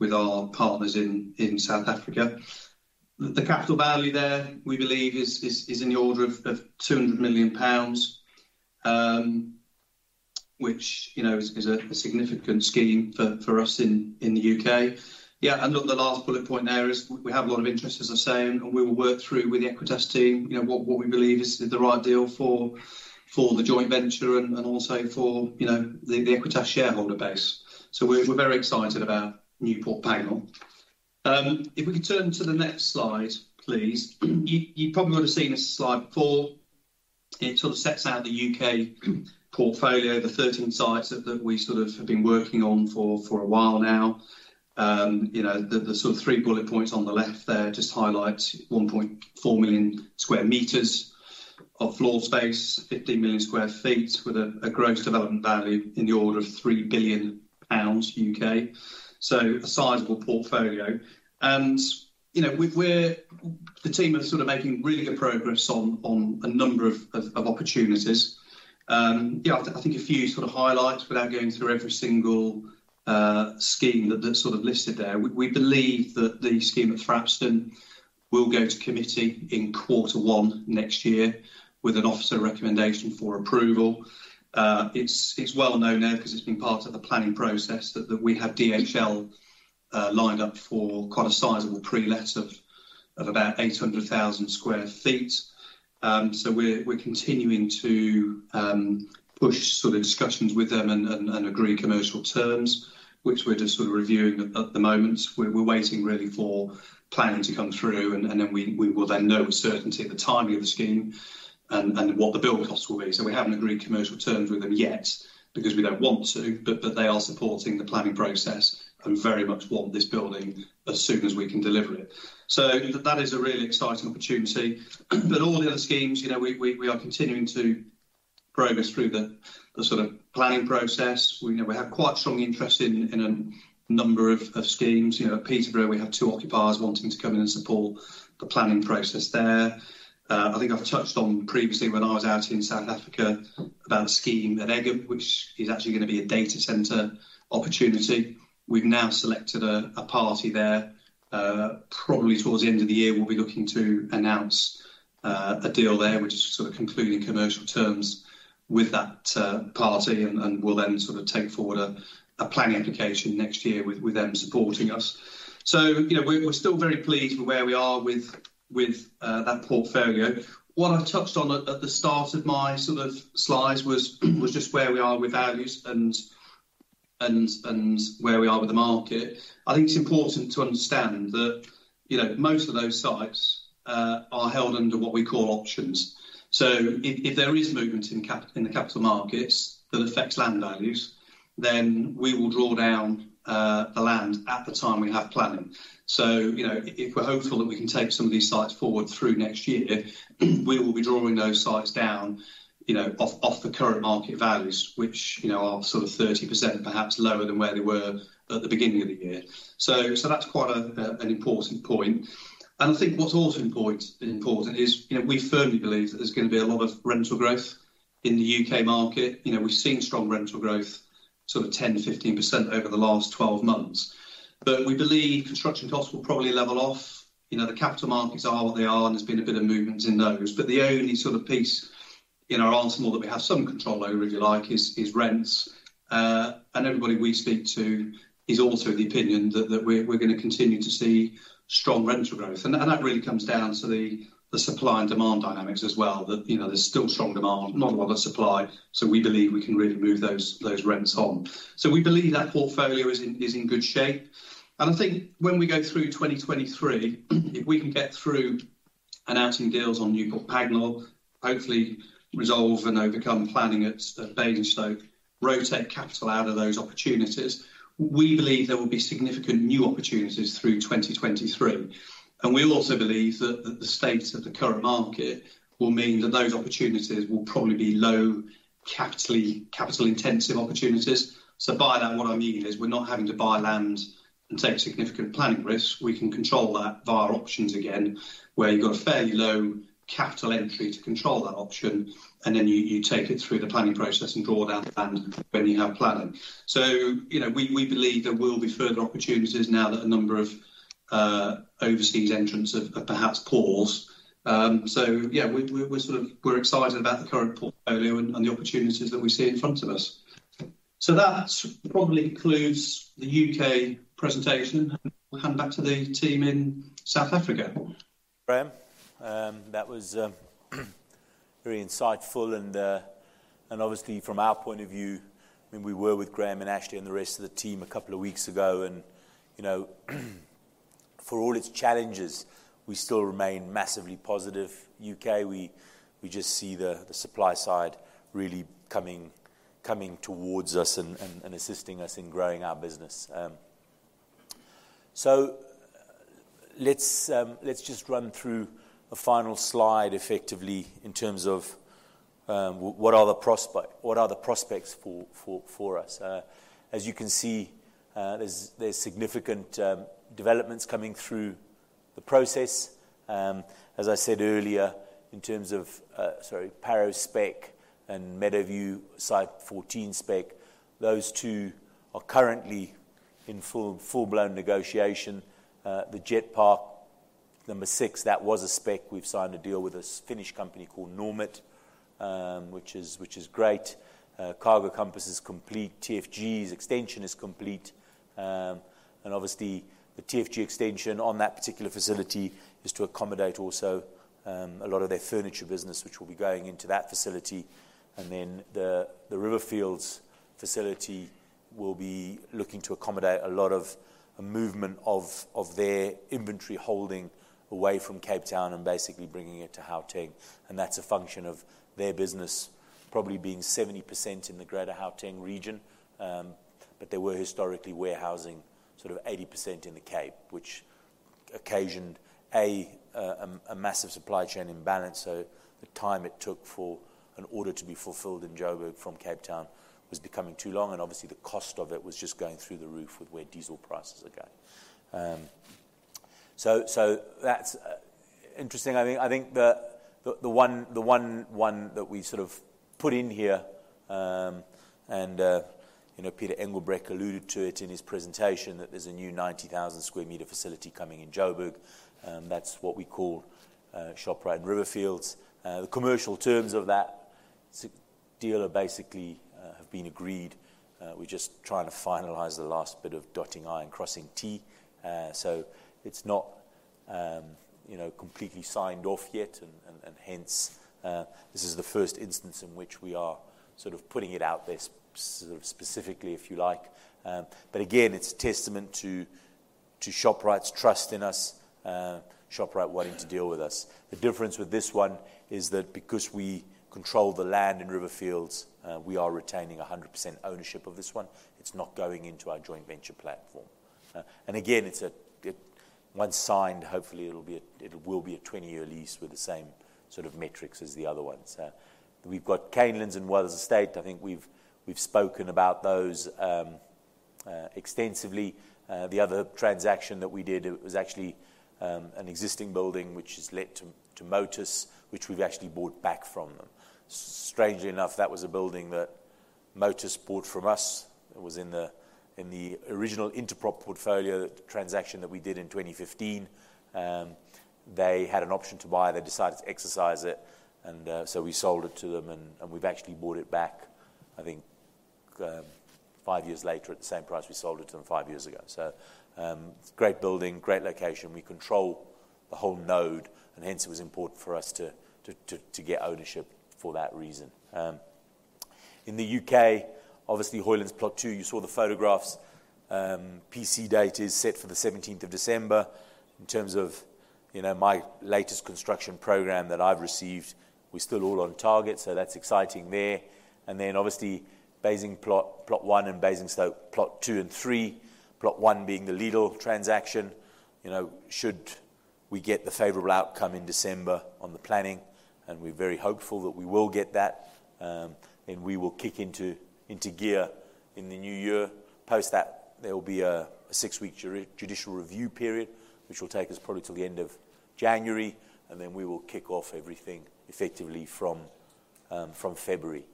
with our partners in South Africa. The capital value there, we believe is in the order of 200 million pounds, which, you know, is a significant scheme for us in the U.K. Yeah, and look, the last bullet point there is we have a lot of interest, as I say, and we will work through with the Equites team, you know, what we believe is the right deal for the joint venture and also for, you know, the Equites shareholder base. We're very excited about Newport Pagnell. If we could turn to the next slide, please. You probably would've seen this slide before. It sort of sets out the U.K. portfolio, the 13 sites that we sort of have been working on for a while now. You know, the sort of three bullet points on the left there just highlight 1.4 million square meters of floor space, 50 million sq ft with a gross development value in the order of 3 billion pounds. So a sizable portfolio. You know, we're the team are sort of making really good progress on a number of opportunities. Yeah, I think a few sort of highlights without going through every single scheme that's sort of listed there. We believe that the scheme at Thrapston will go to committee in quarter one next year with an officer recommendation for approval. It's well known now because it's been part of the planning process that we have DHL lined up for quite a sizable pre-let of about 800,000 sq ft. We're continuing to push sort of discussions with them and agree commercial terms, which we're just sort of reviewing at the moment. We're waiting really for planning to come through and then we will then know with certainty the timing of the scheme and what the build costs will be. We haven't agreed commercial terms with them yet because we don't want to, but they are supporting the planning process and very much want this building as soon as we can deliver it. That is a really exciting opportunity. All the other schemes, you know, we are continuing to progress through the sort of planning process. We know we have quite strong interest in a number of schemes. You know, at Peterborough we have two occupiers wanting to come in and support the planning process there. I think I've touched on previously when I was out in South Africa about the scheme at Egham, which is actually gonna be a data center opportunity. We've now selected a party there. Probably towards the end of the year we'll be looking to announce a deal there, which is sort of concluding commercial terms with that party and we'll then sort of take forward a planning application next year with them supporting us. You know, we're still very pleased with where we are with that portfolio. What I touched on at the start of my sort of slides was just where we are with values and where we are with the market. I think it's important to understand that, you know, most of those sites are held under what we call options. If there is movement in the capital markets that affects land values, then we will draw down the land at the time we have planning. You know, if we're hopeful that we can take some of these sites forward through next year, we will be drawing those sites down, you know, off the current market values, which, you know, are sort of 30% perhaps lower than where they were at the beginning of the year. That's quite an important point. I think what's also important is, you know, we firmly believe that there's gonna be a lot of rental growth in the U.K. market. You know, we've seen strong rental growth, sort of 10%-15% over the last 12 months. We believe construction costs will probably level off. You know, the capital markets are what they are, and there's been a bit of movements in those. The only sort of piece in our arsenal that we have some control over, if you like, is rents. Everybody we speak to is also of the opinion that we're gonna continue to see strong rental growth. That really comes down to the supply and demand dynamics as well, that you know, there's still strong demand, not a lot of supply. We believe we can really move those rents on. We believe that portfolio is in good shape. I think when we go through 2023, if we can get through announcing deals on Newport Pagnell, hopefully resolve and overcome planning at Basingstoke, rotate capital out of those opportunities, we believe there will be significant new opportunities through 2023. We also believe that the state of the current market will mean that those opportunities will probably be low capital intensive opportunities. By that, what I mean is we're not having to buy land and take significant planning risks. We can control that via options again, where you've got a fairly low capital entry to control that option, and then you take it through the planning process and draw down the land when you have planning. You know, we believe there will be further opportunities now that a number of overseas entrants have perhaps paused. We're excited about the current portfolio and the opportunities that we see in front of us. That probably concludes the U.K. presentation. I'll hand back to the team in South Africa. Graham, that was very insightful and obviously from our point of view, I mean, we were with Graham and Ashley and the rest of the team a couple of weeks ago and, you know, for all its challenges, we still remain massively positive U.K.. We just see the supply side really coming towards us and assisting us in growing our business. Let's just run through a final slide effectively in terms of what are the prospects for us. As you can see, there's significant developments coming through the process. As I said earlier, in terms of, sorry, Parow spec and Meadowview site 14 spec, those two are currently in full-blown negotiation. The Jetpark number 6, that was a spec. We've signed a deal with a Spanish company called Normet, which is great. Cargo Compass is complete. TFG's extension is complete. Obviously the TFG extension on that particular facility is to accommodate also a lot of their furniture business which will be going into that facility. The Riverfields facility will be looking to accommodate a lot of movement of their inventory holding away from Cape Town and basically bringing it to Gauteng. That's a function of their business probably being 70% in the greater Gauteng region. They were historically warehousing sort of 80% in the Cape, which occasioned a massive supply chain imbalance, so the time it took for an order to be fulfilled in Joburg from Cape Town was becoming too long, and obviously, the cost of it was just going through the roof with where diesel prices are going. That's interesting. I think the one that we sort of put in here, and Riaan alluded to it in his presentation, that there's a new 90,000-square-meter facility coming in Joburg, that's what we call Shoprite Riverfields. The commercial terms of that deal are basically have been agreed. We're just trying to finalize the last bit of dotting i's and crossing t's. It's not completely signed off yet and hence this is the first instance in which we are sort of putting it out there specifically if you like. But again, it's a testament to Shoprite's trust in us, Shoprite wanting to deal with us. The difference with this one is that because we control the land in Riverfields, we are retaining 100% ownership of this one. It's not going into our joint venture platform. Again, once signed, hopefully it'll be a 20-year lease with the same sort of metrics as the other ones. We've got Canelands and Wells Estate. I think we've spoken about those extensively. The other transaction that we did, it was actually an existing building which has let to Motus, which we've actually bought back from them. Strangely enough, that was a building that Motus bought from us was in the original Intaprop portfolio transaction that we did in 2015. They had an option to buy, they decided to exercise it, and so we sold it to them and we've actually bought it back, I think, 5 years later at the same price we sold it to them 5 years ago. Great building, great location. We control the whole node and hence it was important for us to get ownership for that reason. In the U.K., obviously Hoyland's Plot 2, you saw the photographs. PC date is set for the 17th of December. In terms of, you know, my latest construction program that I've received, we're still all on target, so that's exciting there. Obviously, Basingstoke Plot 1 and Basingstoke Plot 2 and 3, Plot 1 being the Lidl transaction. You know, should we get the favorable outcome in December on the planning, and we're very hopeful that we will get that, then we will kick into gear in the new year. Post that, there will be a six-week judicial review period, which will take us probably till the end of January, and then we will kick off everything effectively from February.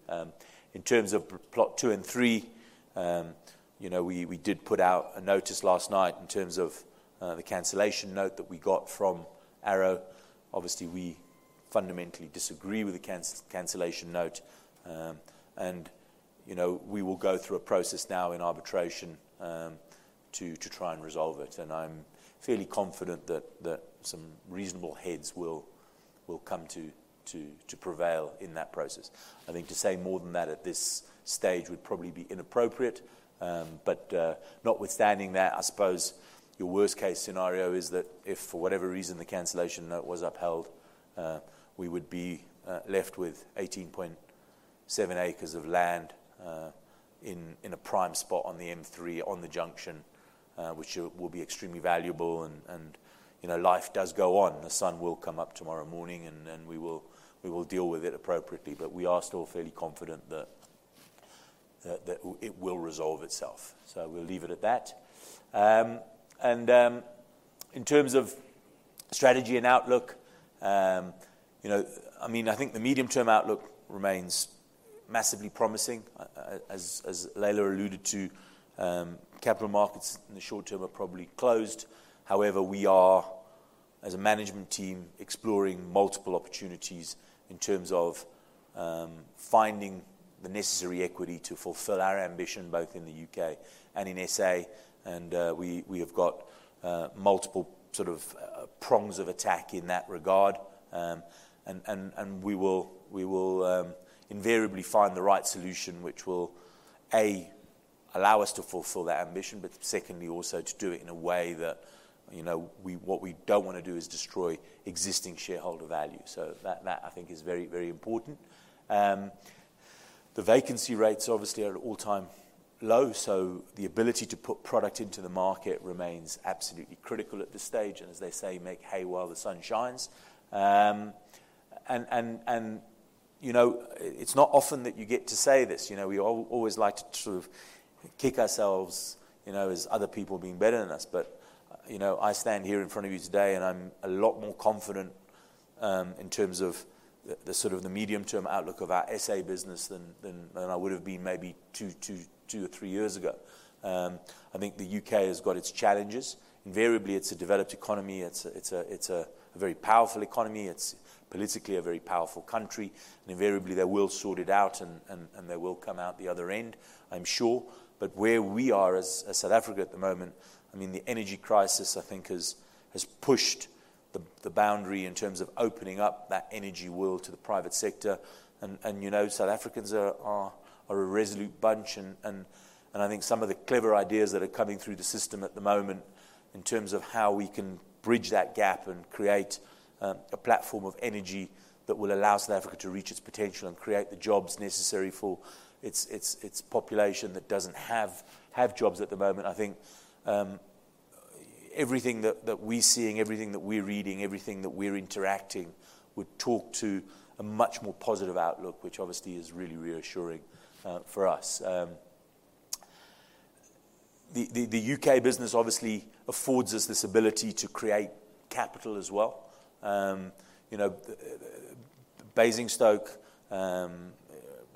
In terms of Plot 2 and 3 we did put out a notice last night in terms of the cancellation note that we got from Arrow. Obviously, we fundamentally disagree with the cancellation note, and, you know, we will go through a process now in arbitration to try and resolve it. I'm fairly confident that some reasonable heads will come to prevail in that process. I think to say more than that at this stage would probably be inappropriate, but notwithstanding that, I suppose your worst-case scenario is that if for whatever reason the cancellation note was upheld, we would be left with 18.7 acres of land in a prime spot on the M3 on the junction, which will be extremely valuable and, you know, life does go on. The sun will come up tomorrow morning, and then we will deal with it appropriately. We are still fairly confident that it will resolve itself. We'll leave it at that. In terms of strategy and outlook, you know, I mean, I think the medium-term outlook remains massively promising. As Laila alluded to, capital markets in the short term are probably closed. However, we are, as a management team, exploring multiple opportunities in terms of finding the necessary equity to fulfill our ambition both in the U.K. and in SA. We have got multiple sort of prongs of attack in that regard. We will invariably find the right solution which will allow us to fulfill that ambition, but secondly, also to do it in a way that, you know, we what we don't wanna do is destroy existing shareholder value. That I think is very important. The vacancy rates obviously are at all-time low, so the ability to put product into the market remains absolutely critical at this stage, and as they say, make hay while the sun shines. You know, it's not often that you get to say this. You know, we always like to sort of kick ourselves, you know, as other people being better than us. You know, I stand here in front of you today and I'm a lot more confident in terms of the sort of the medium-term outlook of our SA business than I would have been maybe two or three years ago. I think the U.K. has got its challenges. Invariably, it's a developed economy. It's a very powerful economy. It's politically a very powerful country. Invariably, they will sort it out and they will come out the other end, I'm sure. Where we are as South Africa at the moment, I mean, the energy crisis, I think, has pushed the boundary in terms of opening up that energy world to the private sector. You know, South Africans are a resolute bunch and I think some of the clever ideas that are coming through the system at the moment in terms of how we can bridge that gap and create a platform of energy that will allow South Africa to reach its potential and create the jobs necessary for its population that doesn't have jobs at the moment. I think everything that we're seeing, everything that we're reading, everything that we're interacting would talk to a much more positive outlook, which obviously is really reassuring for us. The U.K. business obviously affords us this ability to create capital as well. You know, Basingstoke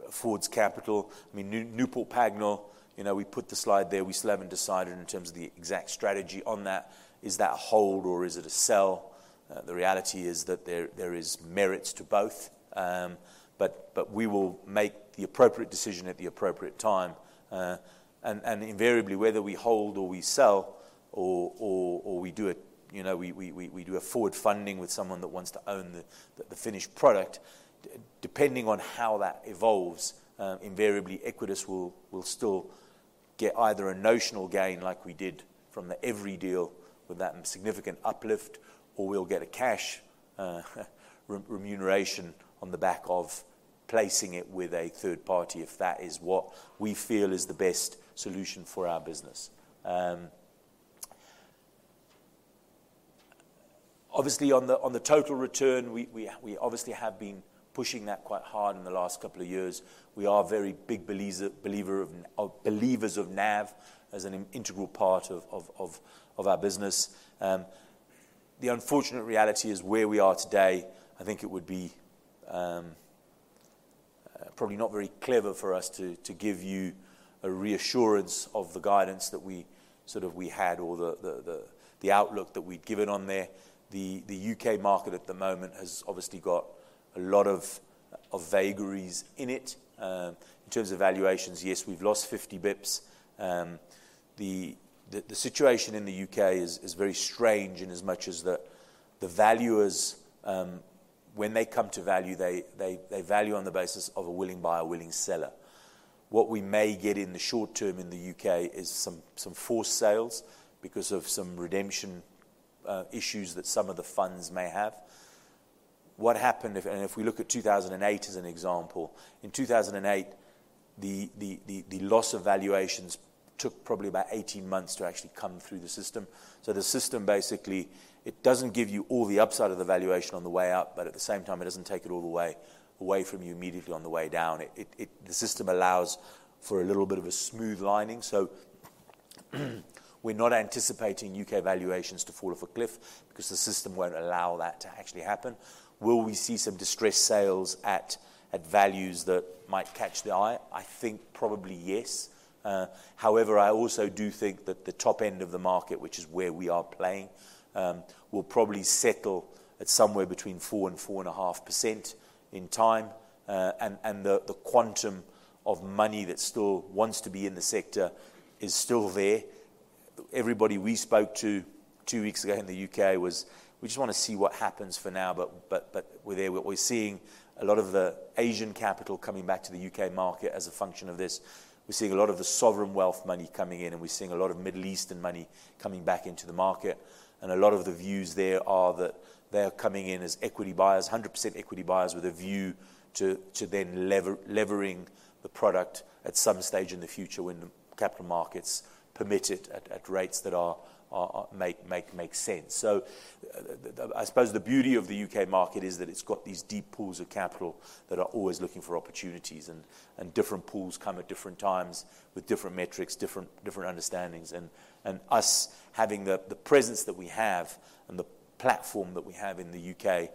affords capital. I mean, Newport Pagnell, you know, we put the slide there. We still haven't decided in terms of the exact strategy on that. Is that a hold or is it a sell? The reality is that there is merits to both. But we will make the appropriate decision at the appropriate time. Invariably, whether we hold or we sell or we do it, you know, we do a forward funding with someone that wants to own the finished product, depending on how that evolves, invariably, Equites will still get either a notional gain like we did from the Evri deal with that significant uplift, or we'll get a cash remuneration on the back of placing it with a third party if that is what we feel is the best solution for our business. Obviously, on the total return, we obviously have been pushing that quite hard in the last couple of years. We are very big believers in NAV as an integral part of our business. The unfortunate reality is where we are today. I think it would be probably not very clever for us to give you a reassurance of the guidance that we sort of we had or the outlook that we'd given on there. The U.K. market at the moment has obviously got a lot of vagaries in it. In terms of valuations, yes, we've lost 50 basis points. The situation in the U.K. is very strange in as much as the valuers, when they come to value, they value on the basis of a willing buyer, willing seller. What we may get in the short term in the U.K. is some forced sales because of some redemption issues that some of the funds may have. If we look at 2008 as an example, in 2008, the loss of valuations took probably about 18 months to actually come through the system. The system, basically, it doesn't give you all the upside of the valuation on the way up, but at the same time, it doesn't take it all the way away from you immediately on the way down. It, the system allows for a little bit of a smoothing. We're not anticipating U.K. valuations to fall off a cliff because the system won't allow that to actually happen. Will we see some distressed sales at values that might catch the eye? I think probably yes. However, I also do think that the top end of the market, which is where we are playing, will probably settle at somewhere between 4%-4.5% in time. The quantum of money that still wants to be in the sector is still there. Everybody we spoke to two weeks ago in the U.K. was, "We just wanna see what happens for now, but we're there." We're seeing a lot of the Asian capital coming back to the U.K. market as a function of this. We're seeing a lot of the sovereign wealth money coming in, and we're seeing a lot of Middle Eastern money coming back into the market. A lot of the views there are that they are coming in as equity buyers, 100% equity buyers with a view to then levering the product at some stage in the future when the capital markets permit it at rates that make sense. I suppose the beauty of the U.K. market is that it's got these deep pools of capital that are always looking for opportunities and different pools come at different times with different metrics, different understandings. Us having the presence that we have and the platform that we have in the U.K.,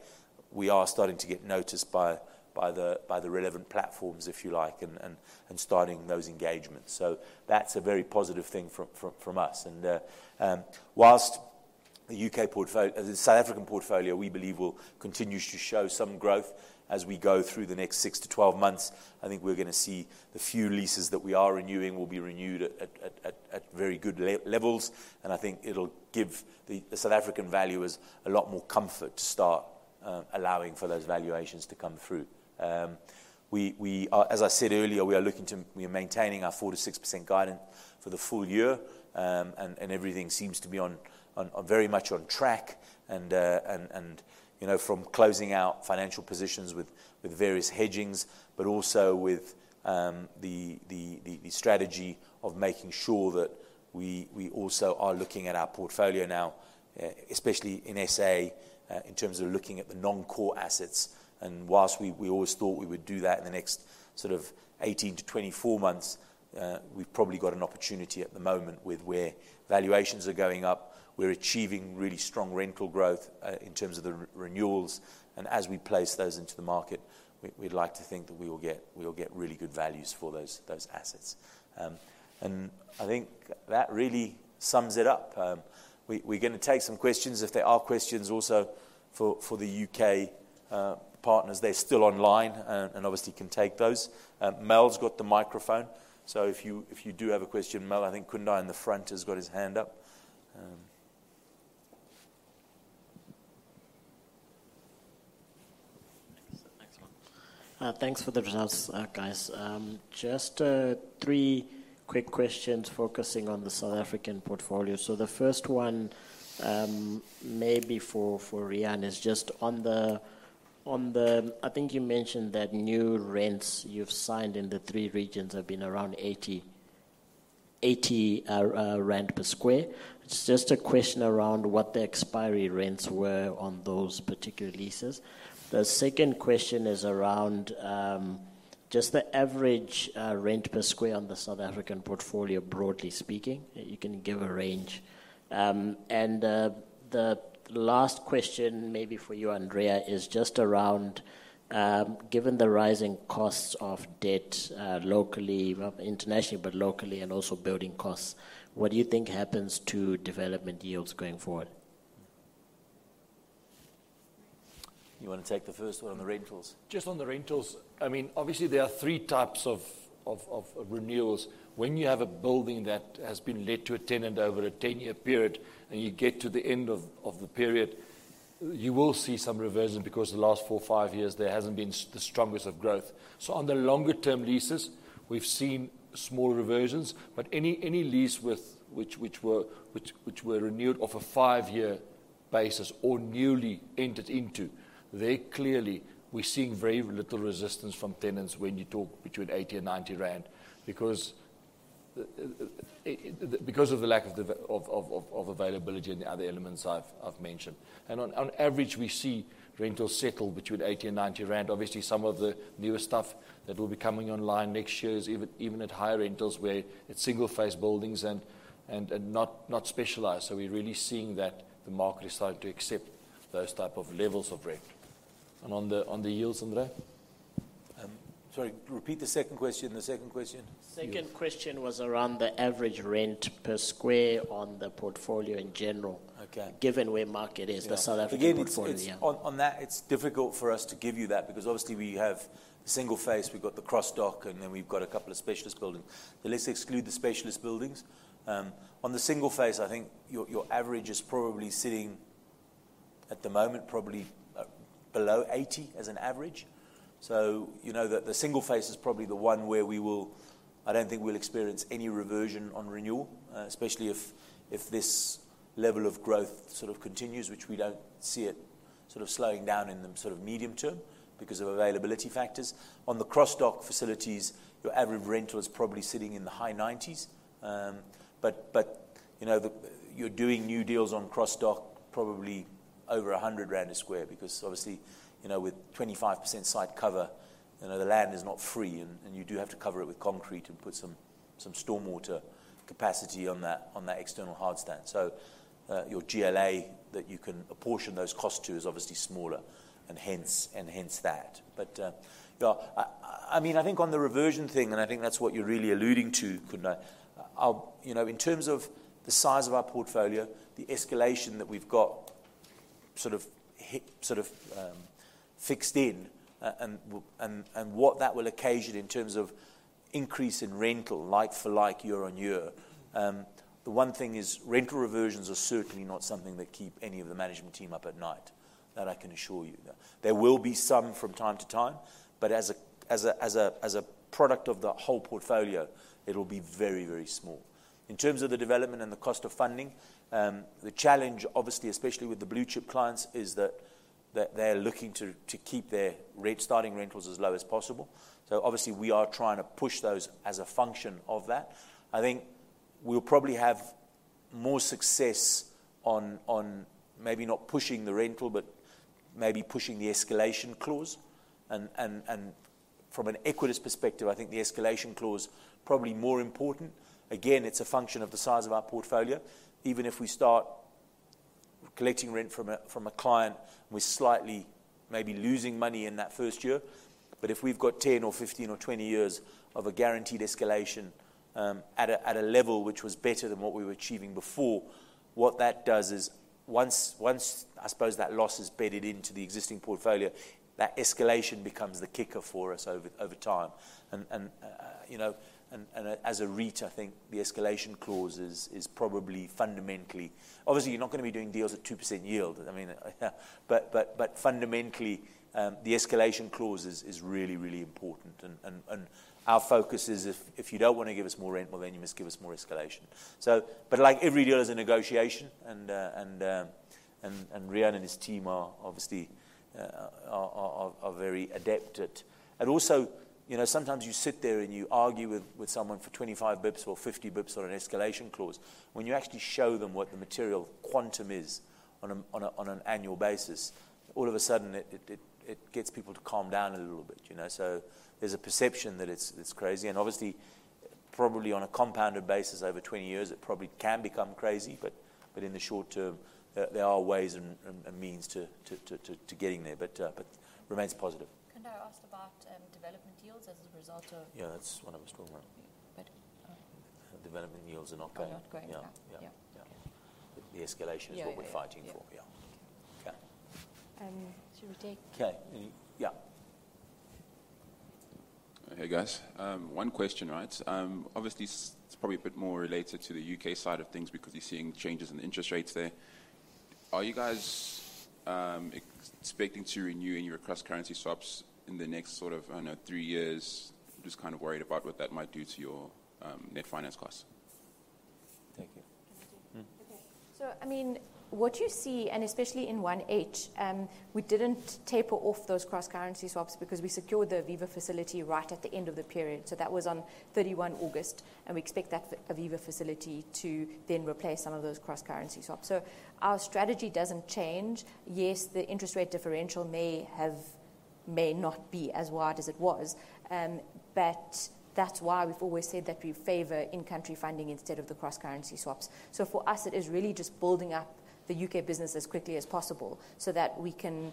we are starting to get noticed by the relevant platforms, if you like, and starting those engagements. That's a very positive thing from us. While the South African portfolio, we believe, will continue to show some growth as we go through the next 6-12 months. I think we're gonna see the few leases that we are renewing will be renewed at very good levels, and I think it'll give the South African valuers a lot more comfort to start allowing for those valuations to come through. As I said earlier, we are maintaining our 4%-6% guidance for the full year, and everything seems to be very much on track, you know, from closing out financial positions with various hedgings, but also with the strategy of making sure that we also are looking at our portfolio now, especially in SA, in terms of looking at the non-core assets. While we always thought we would do that in the next sort of 18-24 months, we've probably got an opportunity at the moment with where valuations are going up. We're achieving really strong rental growth in terms of the renewals, and as we place those into the market, we'd like to think that we will get really good values for those assets. I think that really sums it up. We're gonna take some questions. If there are questions also for the U.K. partners, they're still online and obviously can take those. Mel's got the microphone. If you do have a question, Mel, I think Kundayi in the front has got his hand up. Thanks, man. Thanks for the results, guys. Just three quick questions focusing on the South African portfolio. The first one may be for Riaan. I think you mentioned that new rents you've signed in the three regions have been around 80 rand per sq m. It's just a question around what the expiry rents were on those particular leases. The second question is around just the average rent per square on the South African portfolio, broadly speaking. You can give a range. And the last question may be for you, Andrea, is just around given the rising costs of debt locally, well, internationally, but locally, and also building costs, what do you think happens to development yields going forward? You wanna take the first one on the rentals? Just on the rentals, obviously there are three types of renewals. When you have a building that has been let to a tenant over a 10-year period and you get to the end of the period, you will see some reversion because the last four, five years there hasn't been the strongest of growth. On the longer-term leases, we've seen small reversions, but any lease which were renewed off a 5-year basis or newly entered into, there clearly we're seeing very little resistance from tenants when you talk between 80 to 90 rand because of the lack of the availability and the other elements I've mentioned. On average, we see rentals settle between 80 to 90 rand. Obviously, some of the newer stuff that will be coming online next year is even at higher rentals where it's singl-phase buildings and not specialized. We're really seeing that the market is starting to accept those type of levels of rent. On the yields, Andrea? Sorry, repeat the second question. The second question was around the average rent per square on the portfolio in general given where the market is, the South African portfolio. It's difficult for us to give you that because obviously we have single phase, we've got the cross dock, and then we've got a couple of specialist buildings. Let's exclude the specialist buildings. On the single phase, I think your average is probably sitting at the moment below 80% as an average. You know that the single phase is probably the one where we will, I don't think we'll experience any reversion on renewal, especially if this level of growth sort of continues, which we don't see it sort of slowing down in the sort of medium term because of availability factors. On the cross dock facilities, your average rental is probably sitting in the high 90%. You're doing new deals on cross-dock probably over 100 rand a square because obviously, you know, with 25% site cover the land is not free and you do have to cover it with concrete and put some stormwater capacity on that external hardstand. Your GLA that you can apportion those costs to is obviously smaller and hence that. On the reversion thing, and I think that's what you're really alluding to in terms of the size of our portfolio, the escalation that we've got fixed in, and what that will occasion in terms of increase in rental like for like year on year. The one thing is rental reversions are certainly not something that keep any of the management team up at night. That I can assure you. There will be some from time to time, but as a product of the whole portfolio, it'll be very, very small. In terms of the development and the cost of funding, the challenge, obviously, especially with the blue-chip clients, is that they're looking to keep their starting rentals as low as possible. So obviously, we are trying to push those as a function of that. I think we'll probably have more success on maybe not pushing the rental, but maybe pushing the escalation clause. From an Equites perspective, I think the escalation clause probably more important. Again, it's a function of the size of our portfolio. Even if we start collecting rent from a client, we're slightly maybe losing money in that first year. If we've got 10 or 15 or 20 years of a guaranteed escalation at a level which was better than what we were achieving before, what that does is I suppose that loss is bedded into the existing portfolio, that escalation becomes the kicker for us over time. You know, as a REIT, I think the escalation clause is probably fundamentally important. Obviously, you're not gonna be doing deals at 2% yield. I mean, but fundamentally, the escalation clause is really important. Our focus is if you don't wanna give us more rent, well, then you must give us more escalation. Like every deal is a negotiation and Riaan and his team are obviously very adept at. Also, you know, sometimes you sit there and you argue with someone for 25 basis points or 50 basis points on an escalation clause. When you actually show them what the material quantum is on an annual basis, all of a sudden it gets people to calm down a little bit, you know. There's a perception that it's crazy, and obviously, probably on a compounded basis over 20 years, it probably can become crazy. In the short term, there are ways and means to getting there, but remains positive. Could I ask about development yields as a result of? Yeah, that's what I was talking about development yields are not going. The escalation is what we're fighting for. Hey, guys. One question, right? Obviously, it's probably a bit more related to the U.K. side of things because you're seeing changes in the interest rates there. Are you guys expecting to renew any of your cross-currency swaps in the next three years? Just kind of worried about what that might do to your net finance costs. Thank you. Thank you. What you see, and especially in 1H, we didn't taper off those cross-currency swaps because we secured the Aviva facility right at the end of the period. That was on 31 August, and we expect that Aviva facility to then replace some of those cross-currency swaps. Our strategy doesn't change. Yes, the interest rate differential may not be as wide as it was. That's why we've always said that we favor in-country funding instead of the cross-currency swaps. For us, it is really just building up the U.K. business as quickly as possible so that we can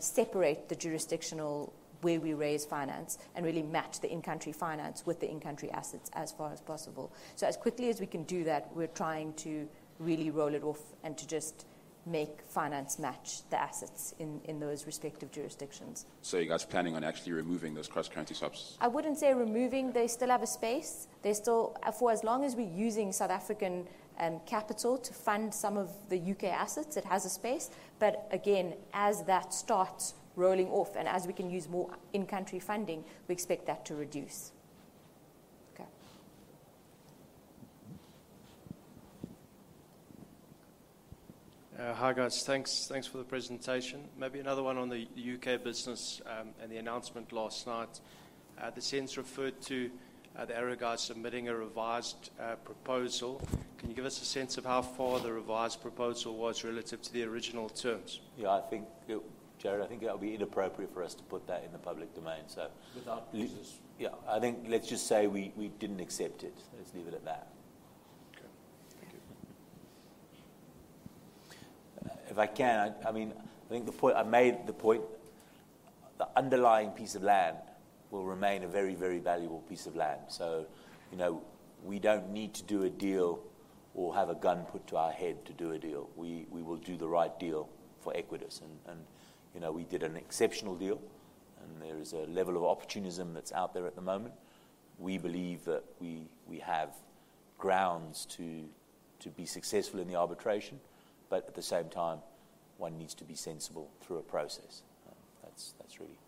separate the jurisdictions where we raise finance and really match the in-country finance with the in-country assets as far as possible. As quickly as we can do that, we're trying to really roll it off and to just make finance match the assets in those respective jurisdictions. You guys planning on actually removing those cross-currency swaps? I wouldn't say removing. They still have a space. They're still for as long as we're using South African capital to fund some of the U.K. assets, it has a space. But again, as that starts rolling off and as we can use more in-country funding, we expect that to reduce. Okay. Hi, guys. Thanks for the presentation. Maybe another one on the U.K. business and the announcement last night. The SENS referred to the Arrugas submitting a revised proposal. Can you give us a sense of how far the revised proposal was relative to the original terms? John, I think that would be inappropriate for us to put that in the public domain, so. Yeah. I think let's just say we didn't accept it. Let's leave it at that. The point I made, the underlying piece of land will remain a very valuable piece of land. You know, we don't need to do a deal or have a gun put to our head to do a deal. We will do the right deal for Equites. You know, we did an exceptional deal, and there is a level of opportunism that's out there at the moment. We believe that we have grounds to be successful in the arbitration. At the same time, one needs to be sensible through a process. That's really.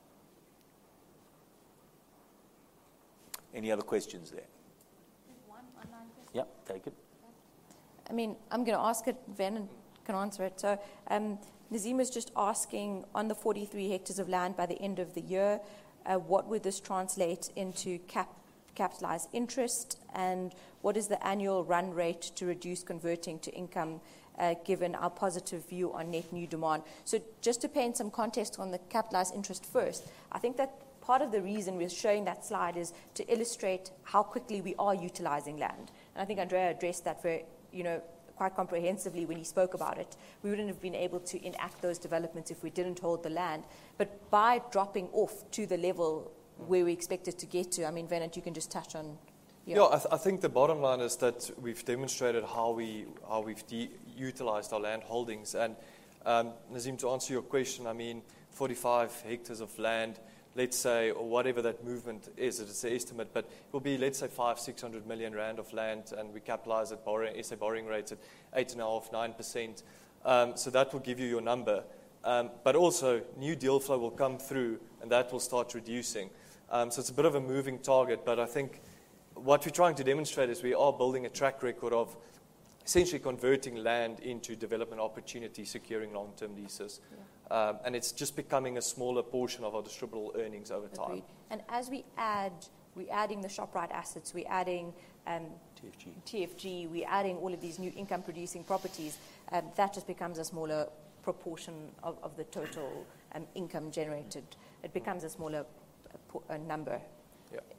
Any other questions there? There's one online question. Take it. I'm gonna ask it, Wynand can answer it. Nazim is just asking, on the 43 hectares of land by the end of the year, what would this translate into capitalized interest, and what is the annual run rate to reduce converting to income, given our positive view on net new demand? Just to paint some context on the capitalized interest first, I think that part of the reason we're showing that slide is to illustrate how quickly we are utilizing land. I think Andrea addressed that very, you know, quite comprehensively when he spoke about it. We wouldn't have been able to enact those developments if we didn't hold the land. By dropping off to the level where we expect it to get to Wynand, you can just touch on, yeah. The bottom line is that we've demonstrated how we've deutilized our land holdings. Nazim, to answer your question, I mean, 45 hectares of land, let's say, or whatever that movement is, it's an estimate, but it will be, let's say, 500 million to 600 million rand of land, and we capitalize it borrowing, let's say, borrowing rates at 8.5%-9%. That will give you your number. Also new deal flow will come through, and that will start reducing. It's a bit of a moving target. I think what we're trying to demonstrate is we are building a track record of essentially converting land into development opportunities, securing long-term leases. It's just becoming a smaller portion of our distributable earnings over time. Agreed. As we add, we're adding the Shoprite assets TFG, we're adding all of these new income-producing properties that just becomes a smaller proportion of the total income generated. It becomes a smaller number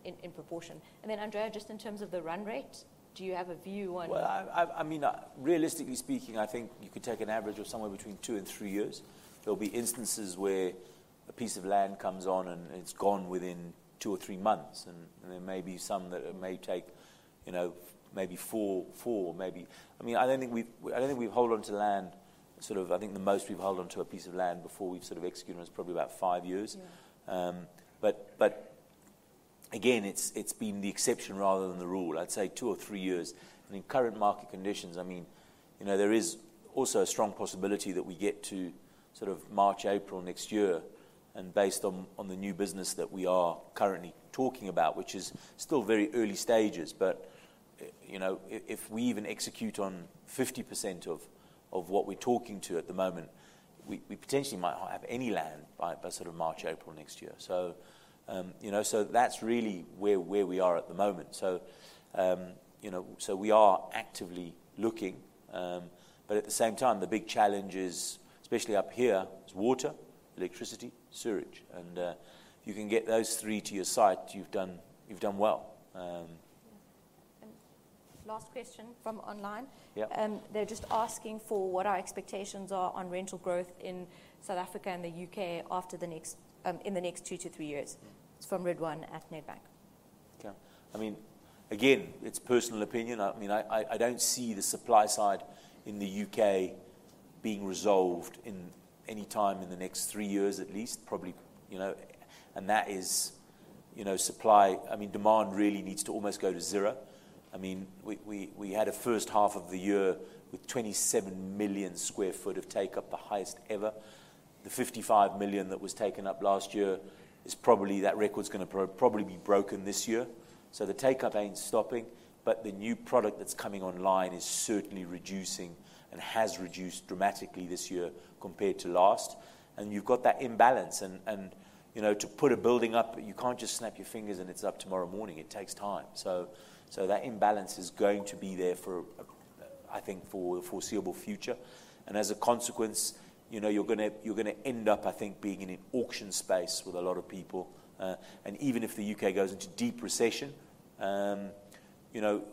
in proportion. Andrea, just in terms of the run rate, do you have a view on? Well, I mean, realistically speaking, I think you could take an average of somewhere between 2 and 3 years. There'll be instances where a piece of land comes on and it's gone within 2 or 3 months, and there may be some that may take, you know, maybe 4 maybe. I mean, I don't think we hold on to land, sort of. I think the most we've held on to a piece of land before we've sort of executed it was probably about 5 years. Again, it's been the exception rather than the rule. I'd say 2 or 3 years. I think current market conditions. I mean, you know, there is also a strong possibility that we get to sort of March, April next year, and based on the new business that we are currently talking about, which is still very early stages. You know, if we even execute on 50% of what we're talking to at the moment, we potentially might not have any land by sort of March, April next year. You know, that's really where we are at the moment. You know, we are actively looking. At the same time, the big challenge, especially up here, is water, electricity, sewage. If you can get those three to your site, you've done well. Yeah. Last question from online. They're just asking for what our expectations are on rental growth in South Africa and the U.K. in the next 2-3 years. It's from Ridwaan Loonat at Nedbank. Okay. I mean, again, it's personal opinion. I mean, I don't see the supply side in the U.K. being resolved in any time in the next 3 years, at least. Probably, you know, that is, you know, supply. I mean, demand really needs to almost go to zero. I mean, we had a first half of the year with 27 million sq ft of take-up, the highest ever. The 55 million that was taken up last year is probably, that record's gonna probably be broken this year. So the take-up ain't stopping, but the new product that's coming online is certainly reducing and has reduced dramatically this year compared to last. You've got that imbalance and, you know, to put a building up, you can't just snap your fingers and it's up tomorrow morning. It takes time. that imbalance is going to be there for, I think, for the foreseeable future. As a consequence, you know, you're gonna end up, I think, being in an auction space with a lot of people. Even if the U.K. goes into deep recession, you know,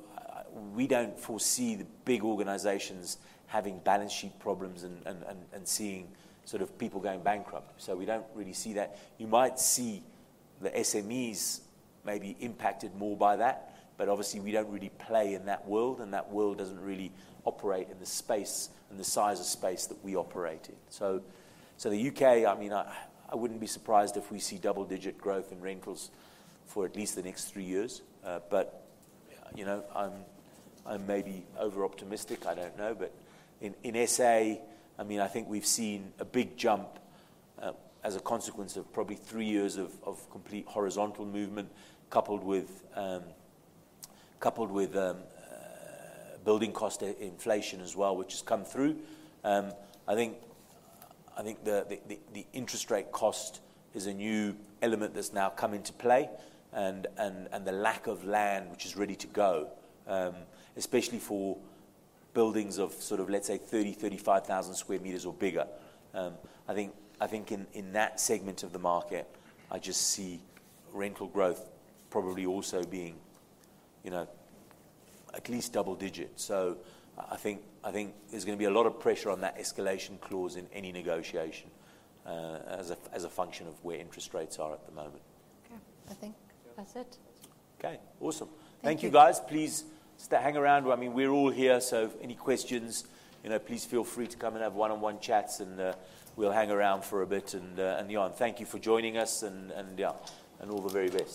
we don't foresee the big organizations having balance sheet problems and seeing sort of people going bankrupt. We don't really see that. You might see the SMEs may be impacted more by that, but obviously we don't really play in that world, and that world doesn't really operate in the space, in the size of space that we operate in. The U.K., I mean, I wouldn't be surprised if we see double-digit growth in rentals for at least the next three years. You know, I may be over-optimistic, I don't know. In SA, I mean, I think we've seen a big jump as a consequence of probably three years of complete horizontal movement coupled with building cost inflation as well, which has come through. I think the interest rate cost is a new element that's now come into play and the lack of land which is ready to go, especially for buildings of let's say, 30,000-35,000 sq m or bigger. I think in that segment of the market, I just see rental growth probably also being, you know, at least double-digit. I think there's gonna be a lot of pressure on that escalation clause in any negotiation, as a function of where interest rates are at the moment. Okay. I think that's it. Okay. Awesome. Thank you. Thank you, guys. Please hang around. I mean, we're all here, so any questions, please feel free to come and have one-on-one chats, and we'll hang around for a bit and yeah. Thank you for joining us and yeah. All the very best.